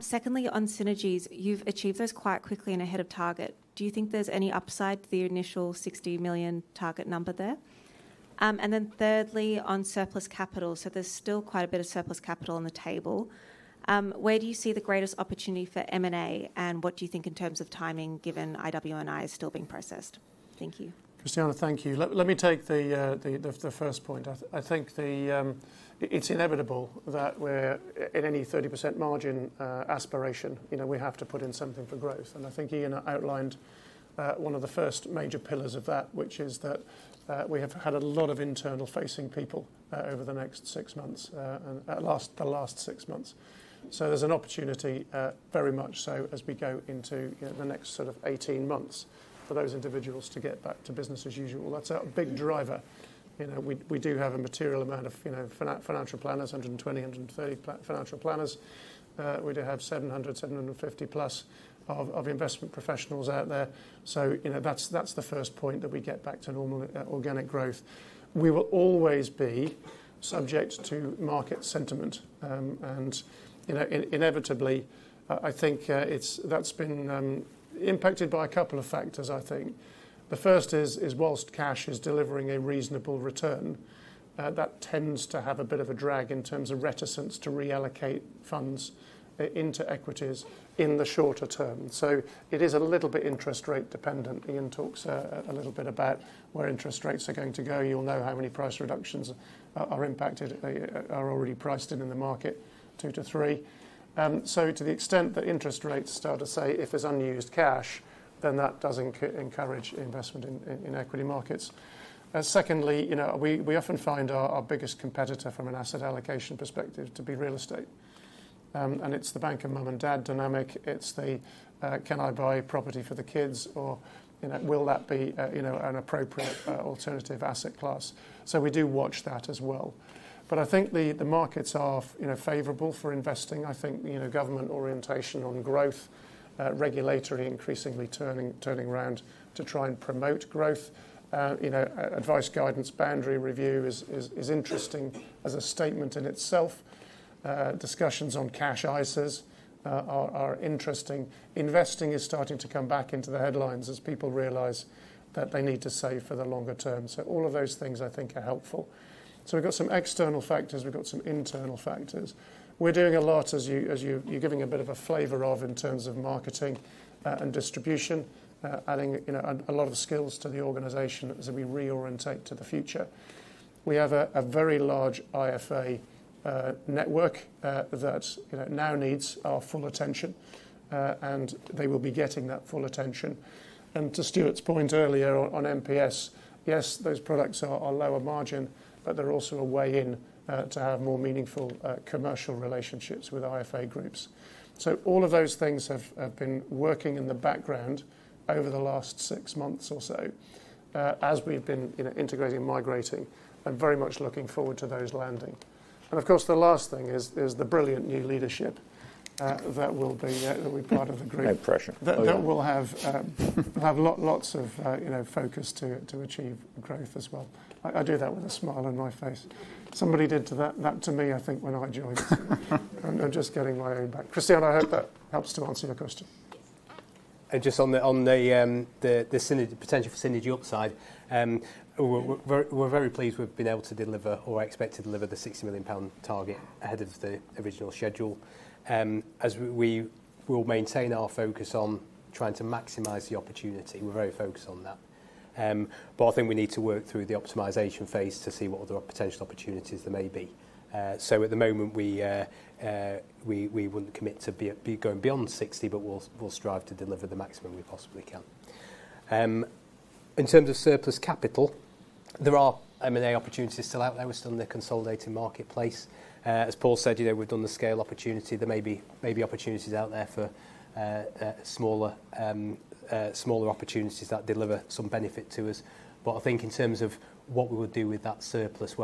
Secondly, on synergies, you've achieved those quite quickly and ahead of target. Do you think there's any upside to the initial 60 million target number there? Thirdly, on surplus capital, there's still quite a bit of surplus capital on the table. Where do you see the greatest opportunity for M&A and what do you think in terms of timing given IW&I is still being processed? Thank you. Christiana. Thank you. Let me take the first point. I think it's inevitable that we're in any 30% margin aspiration. We have to put in something for growth and I think Iain outlined one of the first major pillars of that, which is that we have had a lot of internal facing people over the last six months. There is an opportunity, very much so as we go into the next sort of 18 months, for those individuals to get back to business as usual. That's a big driver. We do have a material amount of financial planners, 120, 130 financial planners. We do have 700, 750+ of investment professionals out there. That's the first point, that we get back to normal organic growth. We will always be subject to market sentiment and inevitably I think that's been impacted by a couple of factors. The first is whilst cash is delivering a reasonable return, that tends to have a bit of a drag in terms of reticence to reallocate funds into equities in the shorter term. It is a little bit interest rate dependent. Iain talks a little bit about where interest rates are going to go. You'll know how many price reductions are already priced in in the market, 2%-3%. To the extent that interest rates start to say if there's unused cash, then that doesn't encourage investment in equity markets. Secondly, we often find our biggest competitor from an asset allocation perspective to be real estate and it's the bank of mum and dad dynamic. It's the can I buy property for the kids or will that be an appropriate alternative asset class. We do watch that as well. I think the markets are favorable for investing. I think government orientation on growth, regulatory increasingly turning around to try and promote growth, advice, guidance, boundary review is interesting as a statement in itself. Discussions on cash ISAs are interesting. Investing is starting to come back into the headlines as people realize that they need to save for the longer term. All of those things I think are helpful. We've got some external factors, we've got some internal factors. We're doing a lot, as you're giving a bit of a flavor of, in terms of marketing and distribution, adding a lot of skills to the organization as we reorient and take to the future. We have a very large IFA network that now needs our full attention and they will be getting that full attention. To Stuart's point earlier on MPS, yes, those products are lower margin, but they're also a way in to have more meaningful commercial relationships with IFA groups. All of those things have been working in the background over the last six months or so as we've been integrating and migrating. I'm very much looking forward to those landing, and of course the last thing is the brilliant new leadership that will be part of the group. No pressure, that will have lots of focus to achieve growth as well. I do that with a smile on my face. Somebody did that to me, I think when I joined, just getting my own bank, Cristiano. I hope that helps to answer your. Question and just on the potential for synergy upside, we're very pleased we've been able to deliver or expect to deliver the 60 million pound target ahead of the original schedule as we will maintain our focus on trying to maximize the opportunity. We're very focused on that. I think we need to work through the optimization phase to see what other opportunities, potential opportunities there may be. At the moment we wouldn't commit to going beyond 60 million, but we'll strive to deliver the maximum we possibly can in terms of surplus capital. There are M&A opportunities still out there. We're still in the consolidated marketplace. As Paul said, we've done the scale opportunity. There may be opportunities out there for smaller opportunities that deliver sort of benefit to us. I think in terms of what we would do with that surplus,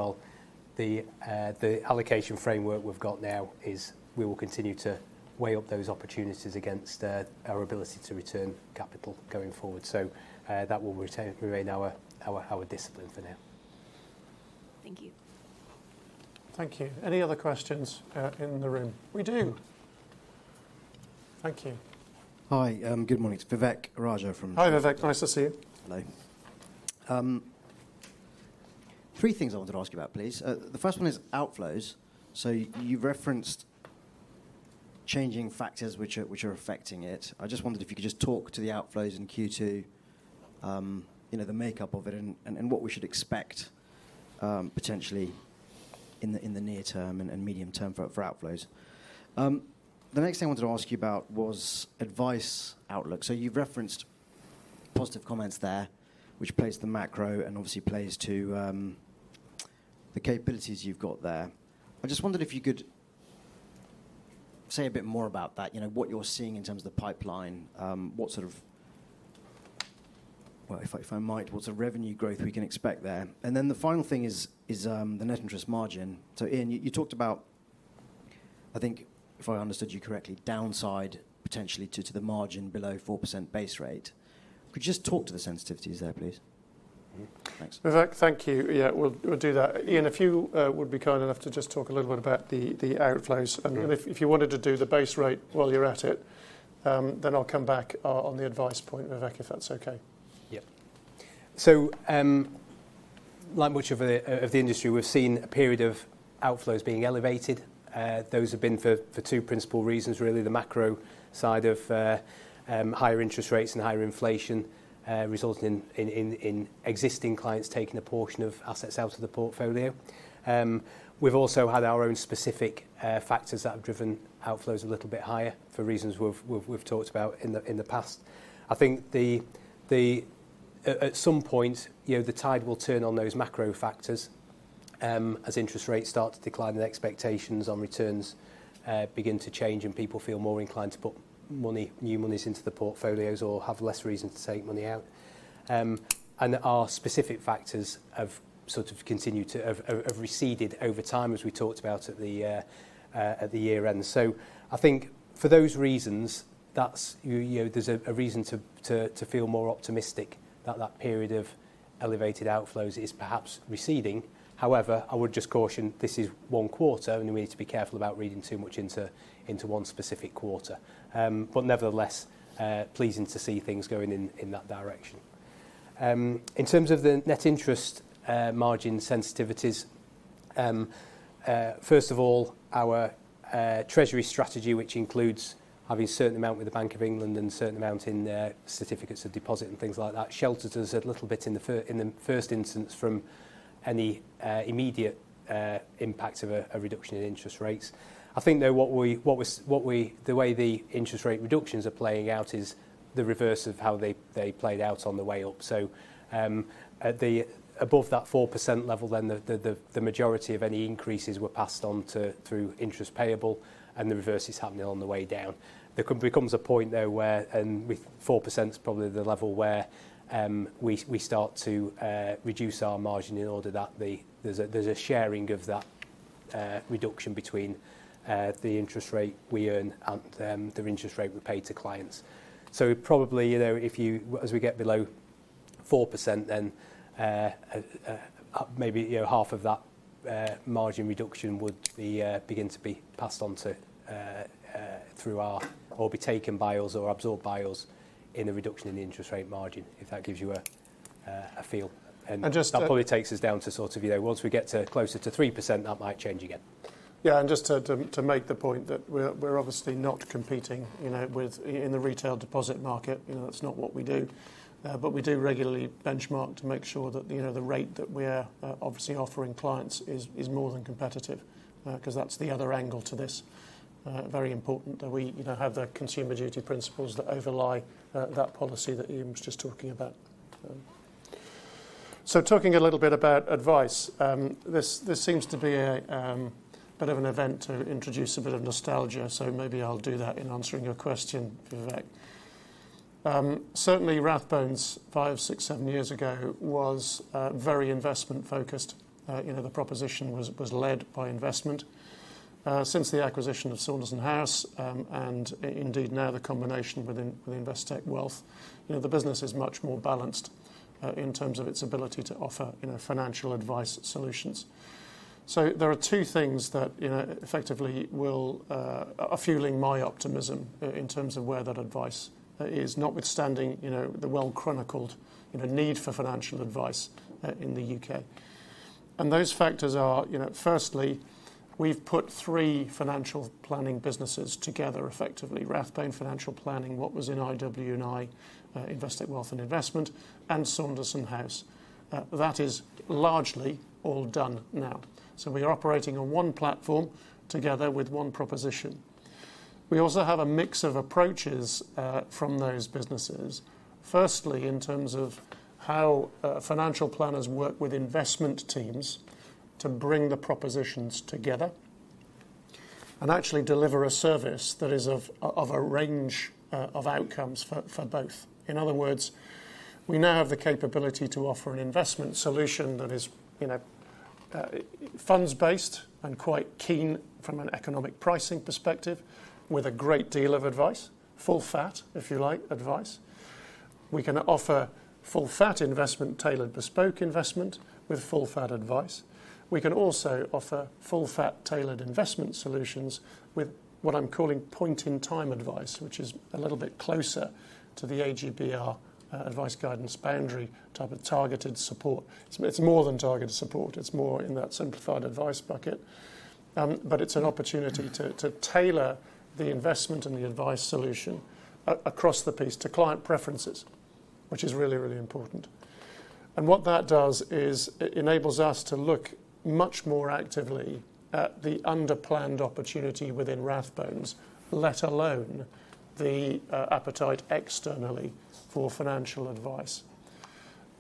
the capital allocation framework we've got now is we will continue to weigh up those opportunities against our ability to return capital going forward. That will remain our discipline for now. Thank you. Thank you. Any other questions in the room? We do. Thank you. Hi, good morning, it's Vivek Raja. Hi, Vivek, nice to see you. Hello. Three things I wanted to ask you about, please. The first one is outflows. You referenced changing factors which are affecting it. I just wondered if you could talk to the outflows in Q2, the makeup of it, and what we should expect potentially in the near term and medium term for outflows. The next thing I wanted to ask. You were asking about advice outlook. You've referenced positive comments there, which plays to the macro and obviously plays to the capabilities you've got there. I just wondered if you could say a bit more about that, what you're seeing in terms of the pipeline. What sort of revenue growth can we expect? The final thing is the net interest margin. Iain, you talked about, I think, if I understood you correctly, downside potentially to the margin below 4% base rate. Could you just talk to the sensitivities there, please? Thanks. Thank you. We'll do that. Iain, if you would be kind enough to just talk a little bit about the outflows and if you wanted to do the base rate while you're at it, then I'll come back on the advice point, Vivek, if that's okay. Yeah. Like much of the industry, we've seen a period of outflows being elevated. Those have been for two principal reasons, really, the macro side of higher interest rates and higher inflation resulting in existing clients taking a portion of assets out of the portfolio. We've also had our own specific factors that have driven outflows a little bit higher for reasons we've talked about in the past. I think at some point the tide will turn on those macro factors as interest rates start to decline and expectations on returns begin to change and people feel more inclined to put new monies into the portfolios or have less reason to take money out. Our specific factors have continued to have receded over time as we talked about at the year end. For those reasons, there's a reason to feel more optimistic that that period of elevated outflows is perhaps receding. However, I would just caution this is one quarter and we need to be careful about reading too much into one specific quarter, but nevertheless pleasing to see things going in that direction. In terms of the net interest margin sensitivities, first of all, our treasury strategy, which includes having a certain amount with the Bank of England and a certain amount in their certificates of deposit and things like that, shelters us a little bit in the first instance from any immediate impact of a reduction in interest rates. I think the way the interest rate reductions are playing out is the reverse of how they played out on the way up. Above that 4% level, the majority of any increases were passed on through interest payable and the reverse is happening on the way down. There comes a point where 4% is probably the level where we start to reduce our margin in order that there's a sharing of that reduction between the interest rate we earn and the interest rate we pay to clients. If you, as we get below 4%, then maybe half of that margin reduction would begin to be passed on through our, or be taken by us or absorbed by us in the reduction in the interest rate margin, if that gives you a feel. That probably takes us down to, once we get closer to 3%, that might change again. Yeah. Just to make the point that we're obviously not competing in the retail deposit market, that's not what we do, but we do regularly benchmark to make sure that the rate that we are obviously offering clients is more than competitive. That's the other angle to this, very important that we have the consumer duty principles that overlie that policy that Iain was just talking about. Talking a little bit about advice, this seems to be a bit of an event to introduce a bit of nostalgia. Maybe I'll do that in answering your question, Vivek. Certainly, Rathbones five, six, seven years ago was very investment focused. The proposition was led by investment. Since the acquisition of Saunderson House and indeed now the combination with Investec Wealth, the business is much more balanced in terms of its ability to offer financial advice solutions. There are two things that effectively are fueling my optimism in terms of where that advice is, notwithstanding the well chronicled need for financial advice in the U.K.. Those factors are, firstly, we've put three financial planning businesses together effectively: Rathbones Financial Planning, what was in IW&I, Investec Wealth & Investment, and Saunderson House. That is largely all done now. We are operating on one platform together with one proposition. We also have a mix of approaches from those businesses. Firstly, in terms of how financial planners work with investment teams to bring the propositions together and actually deliver a service that is of a range of outcomes for both. In other words, we now have the capability to offer an investment solution that is funds based and quite keen from an economic pricing perspective with a great deal of advice, full fat, if you like, advice. We can offer full fat investment, tailored bespoke investment with full fat advice. We can also offer full fat tailored investment solutions with what I'm calling point in time advice, which is a little bit closer to the advice guidance boundary type of targeted support. It's more than targeted support, it's more in that simplified advice bucket. It's an opportunity to tailor the investment and the advice solution across the piece to client preferences, which is really, really important. What that does is it enables us to look much more actively at the under planned opportunity within Rathbones, let alone the appetite externally for financial advice.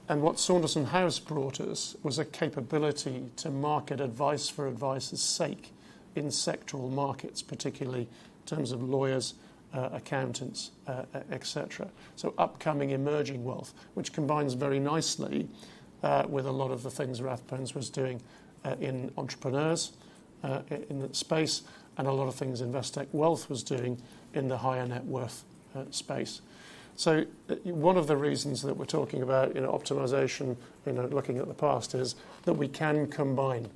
What Saunderson House brought us was a capability to market advice for advice's sake in sectoral markets, particularly in terms of lawyers, accountants, et cetera. Upcoming emerging wealth combines very nicely with a lot of the things Rathbones was doing in entrepreneurs in the space and a lot of things Investec Wealth was doing in the higher net worth space. One of the reasons that we're talking about optimization, looking at the past, is that we can combine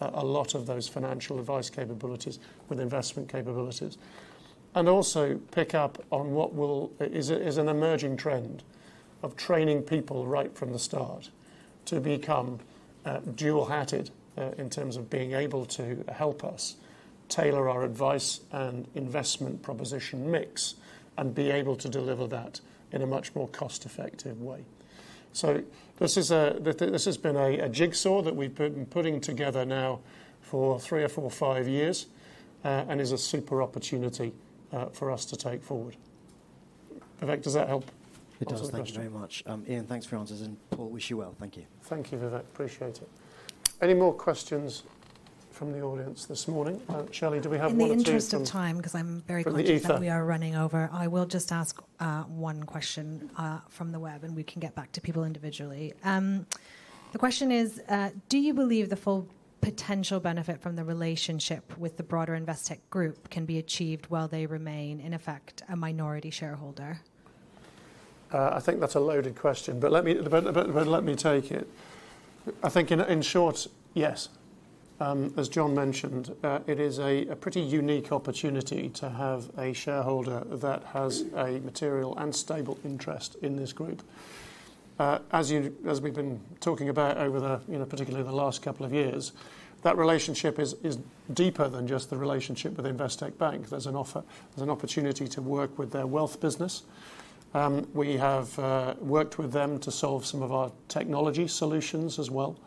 a lot of those financial advice capabilities with investment capabilities and also pick up on what is an emerging trend of training people right from the start to become dual hatted in terms of being able to help us tailor our advice and investment proposition mix and be able to deliver that in a much more cost effective way. This has been a jigsaw that we've been putting together now for three or four or five years and is a super opportunity for us to take forward. Vivek, does that help? It does. Thank you very much, Iain, thanks for your answers and Paul, wish you well. Thank you. Thank you, Vivek, appreciate it. Any more questions from the audience this morning? Shelly, do we have one more question. In the interest of time, because we are running over, I will just ask one question from the web and we can get back to people individually. The question is, do you believe the full potential benefit from the relationship with the broader Investec group can be achieved while they remain in effect a minority shareholder? I think that's a loaded question, but let me take it. I think in short, yes, as Jon mentioned, it is a pretty unique opportunity to have a shareholder that has a material and stable interest in this group as we've been talking about over the, you know, particularly the last couple of years. That relationship is deeper than just the relationship with Investec Bank. There's an offer, there's an opportunity to work with their wealth business. We have worked with them to solve some of our technology solutions as well.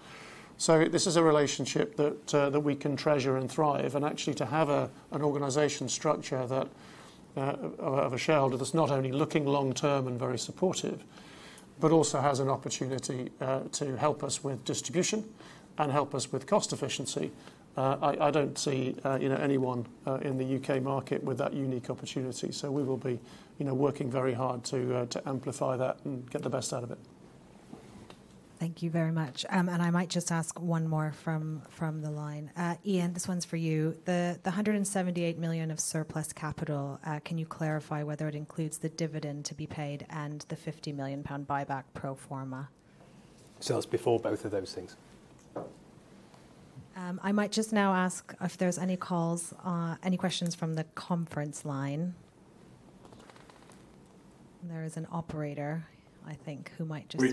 This is a relationship that we can treasure and thrive and actually to have an organization structure of a shareholder that's not only looking long term and very supportive, but also has an opportunity to help us with distribution and help us with cost efficiency. I don't see anyone in the U.K. market with that unique opportunity. We will be, you know, working very hard to amplify that and get the best out of it. Thank you very much. I might just ask one more from the line. Iain, this one's for you. The 178 million of surplus capital, can you clarify whether it includes the dividend to be paid and the 50 million pound buyback pro forma? It is before both of those things. I might just now ask if there's any questions from the conference line. There is an operator, I think, who might just.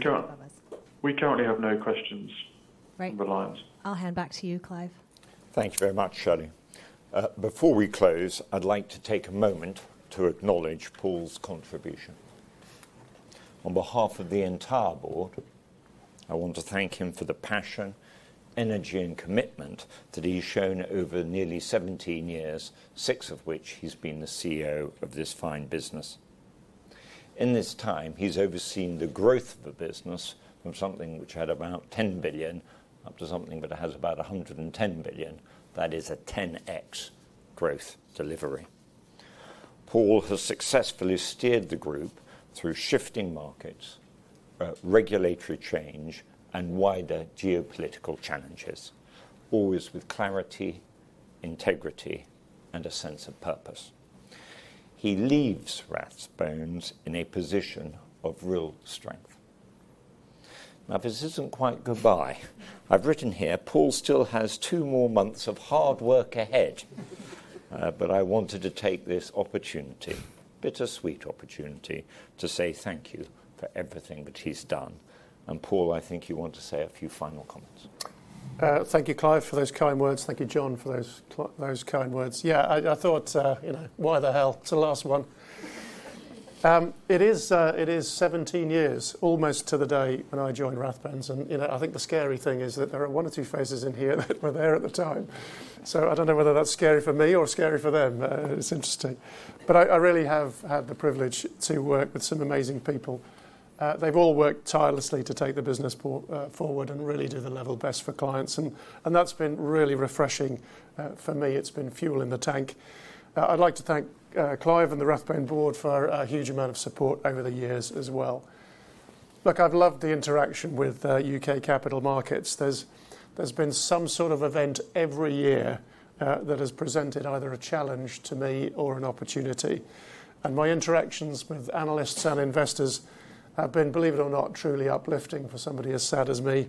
We currently have no questions. [Reliance]. I'll hand back to you, Clive. Thank you very much, Shelly. Before we close, I'd like to take a moment to acknowledge Paul's contribution. On behalf of the entire board, I want to thank him for the passion, energy, and commitment that he's shown over nearly 17 years, six of which he's been the CEO of this fine business. In this time, he's overseen the growth of the business from something which had about 10 billion up to something that has about 110 billion. That is a 10x growth delivery. Paul has successfully steered the group through shifting markets, regulatory change, and wider geopolitical challenges. Always with clarity, integrity, and a sense of purpose, he leaves Rathbones in a position of real strength. This isn't quite goodbye. I've written here, Paul still has two more months of hard work ahead, but I wanted to take this bittersweet opportunity to say thank you for everything that he's done. Paul, I think you want to say a few final comments. Thank you, Clive, for those kind words. Thank you, Jon, for those kind words. I thought, you know, why the hell to last one. It is 17 years almost to the day when I joined Rathbones. I think the scary thing is that there are one or two faces in here that were there at the time. I don't know whether that's scary for me or scary for them. It's interesting, but I really have had the privilege to work with some amazing people. They've all worked tirelessly to take the business forward and really do the level best for clients and that's been really refreshing for me. It's been fuel in the tank. I'd like to thank Clive and the Rathbones board for a huge amount of support over the years as well. I've loved the interaction with U.K. capital markets. There's been some sort of event every year that has presented either a challenge to me or an opportunity. My interactions with analysts and investors have been, believe it or not, truly uplifting for somebody as sad as me.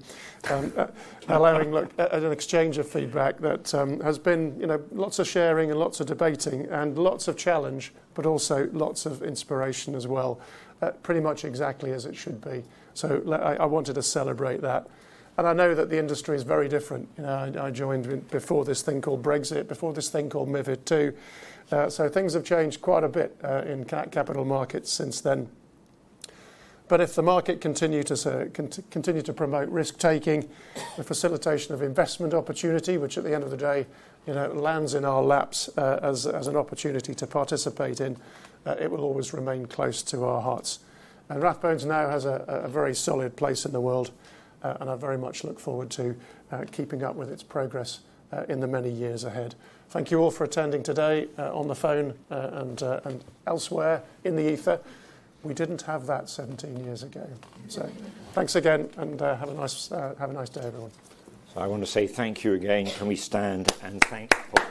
Allowing an exchange of feedback that has been lots of sharing and lots of debating and lots of challenge, but also lots of inspiration as well. Pretty much exactly as it should be. I wanted to celebrate that and I know that the industry is very different. I joined before this thing called Brexit, before this thing called MiFID II, so things have changed quite a bit in capital markets since then. If the market continues to promote risk taking, the facilitation of investment opportunity, which at the end of the day lands in our laps as an opportunity to participate in it, will always remain close to our hearts. Rathbones now has a very solid place in the world and I very much look forward to keeping up with its progress in the many years ahead. Thank you all for attending today on the phone and elsewhere in the ether. We didn't have that 17 years ago, so thanks again and have a nice day, everyone. I want to say thank you again. Can we stand and thank you.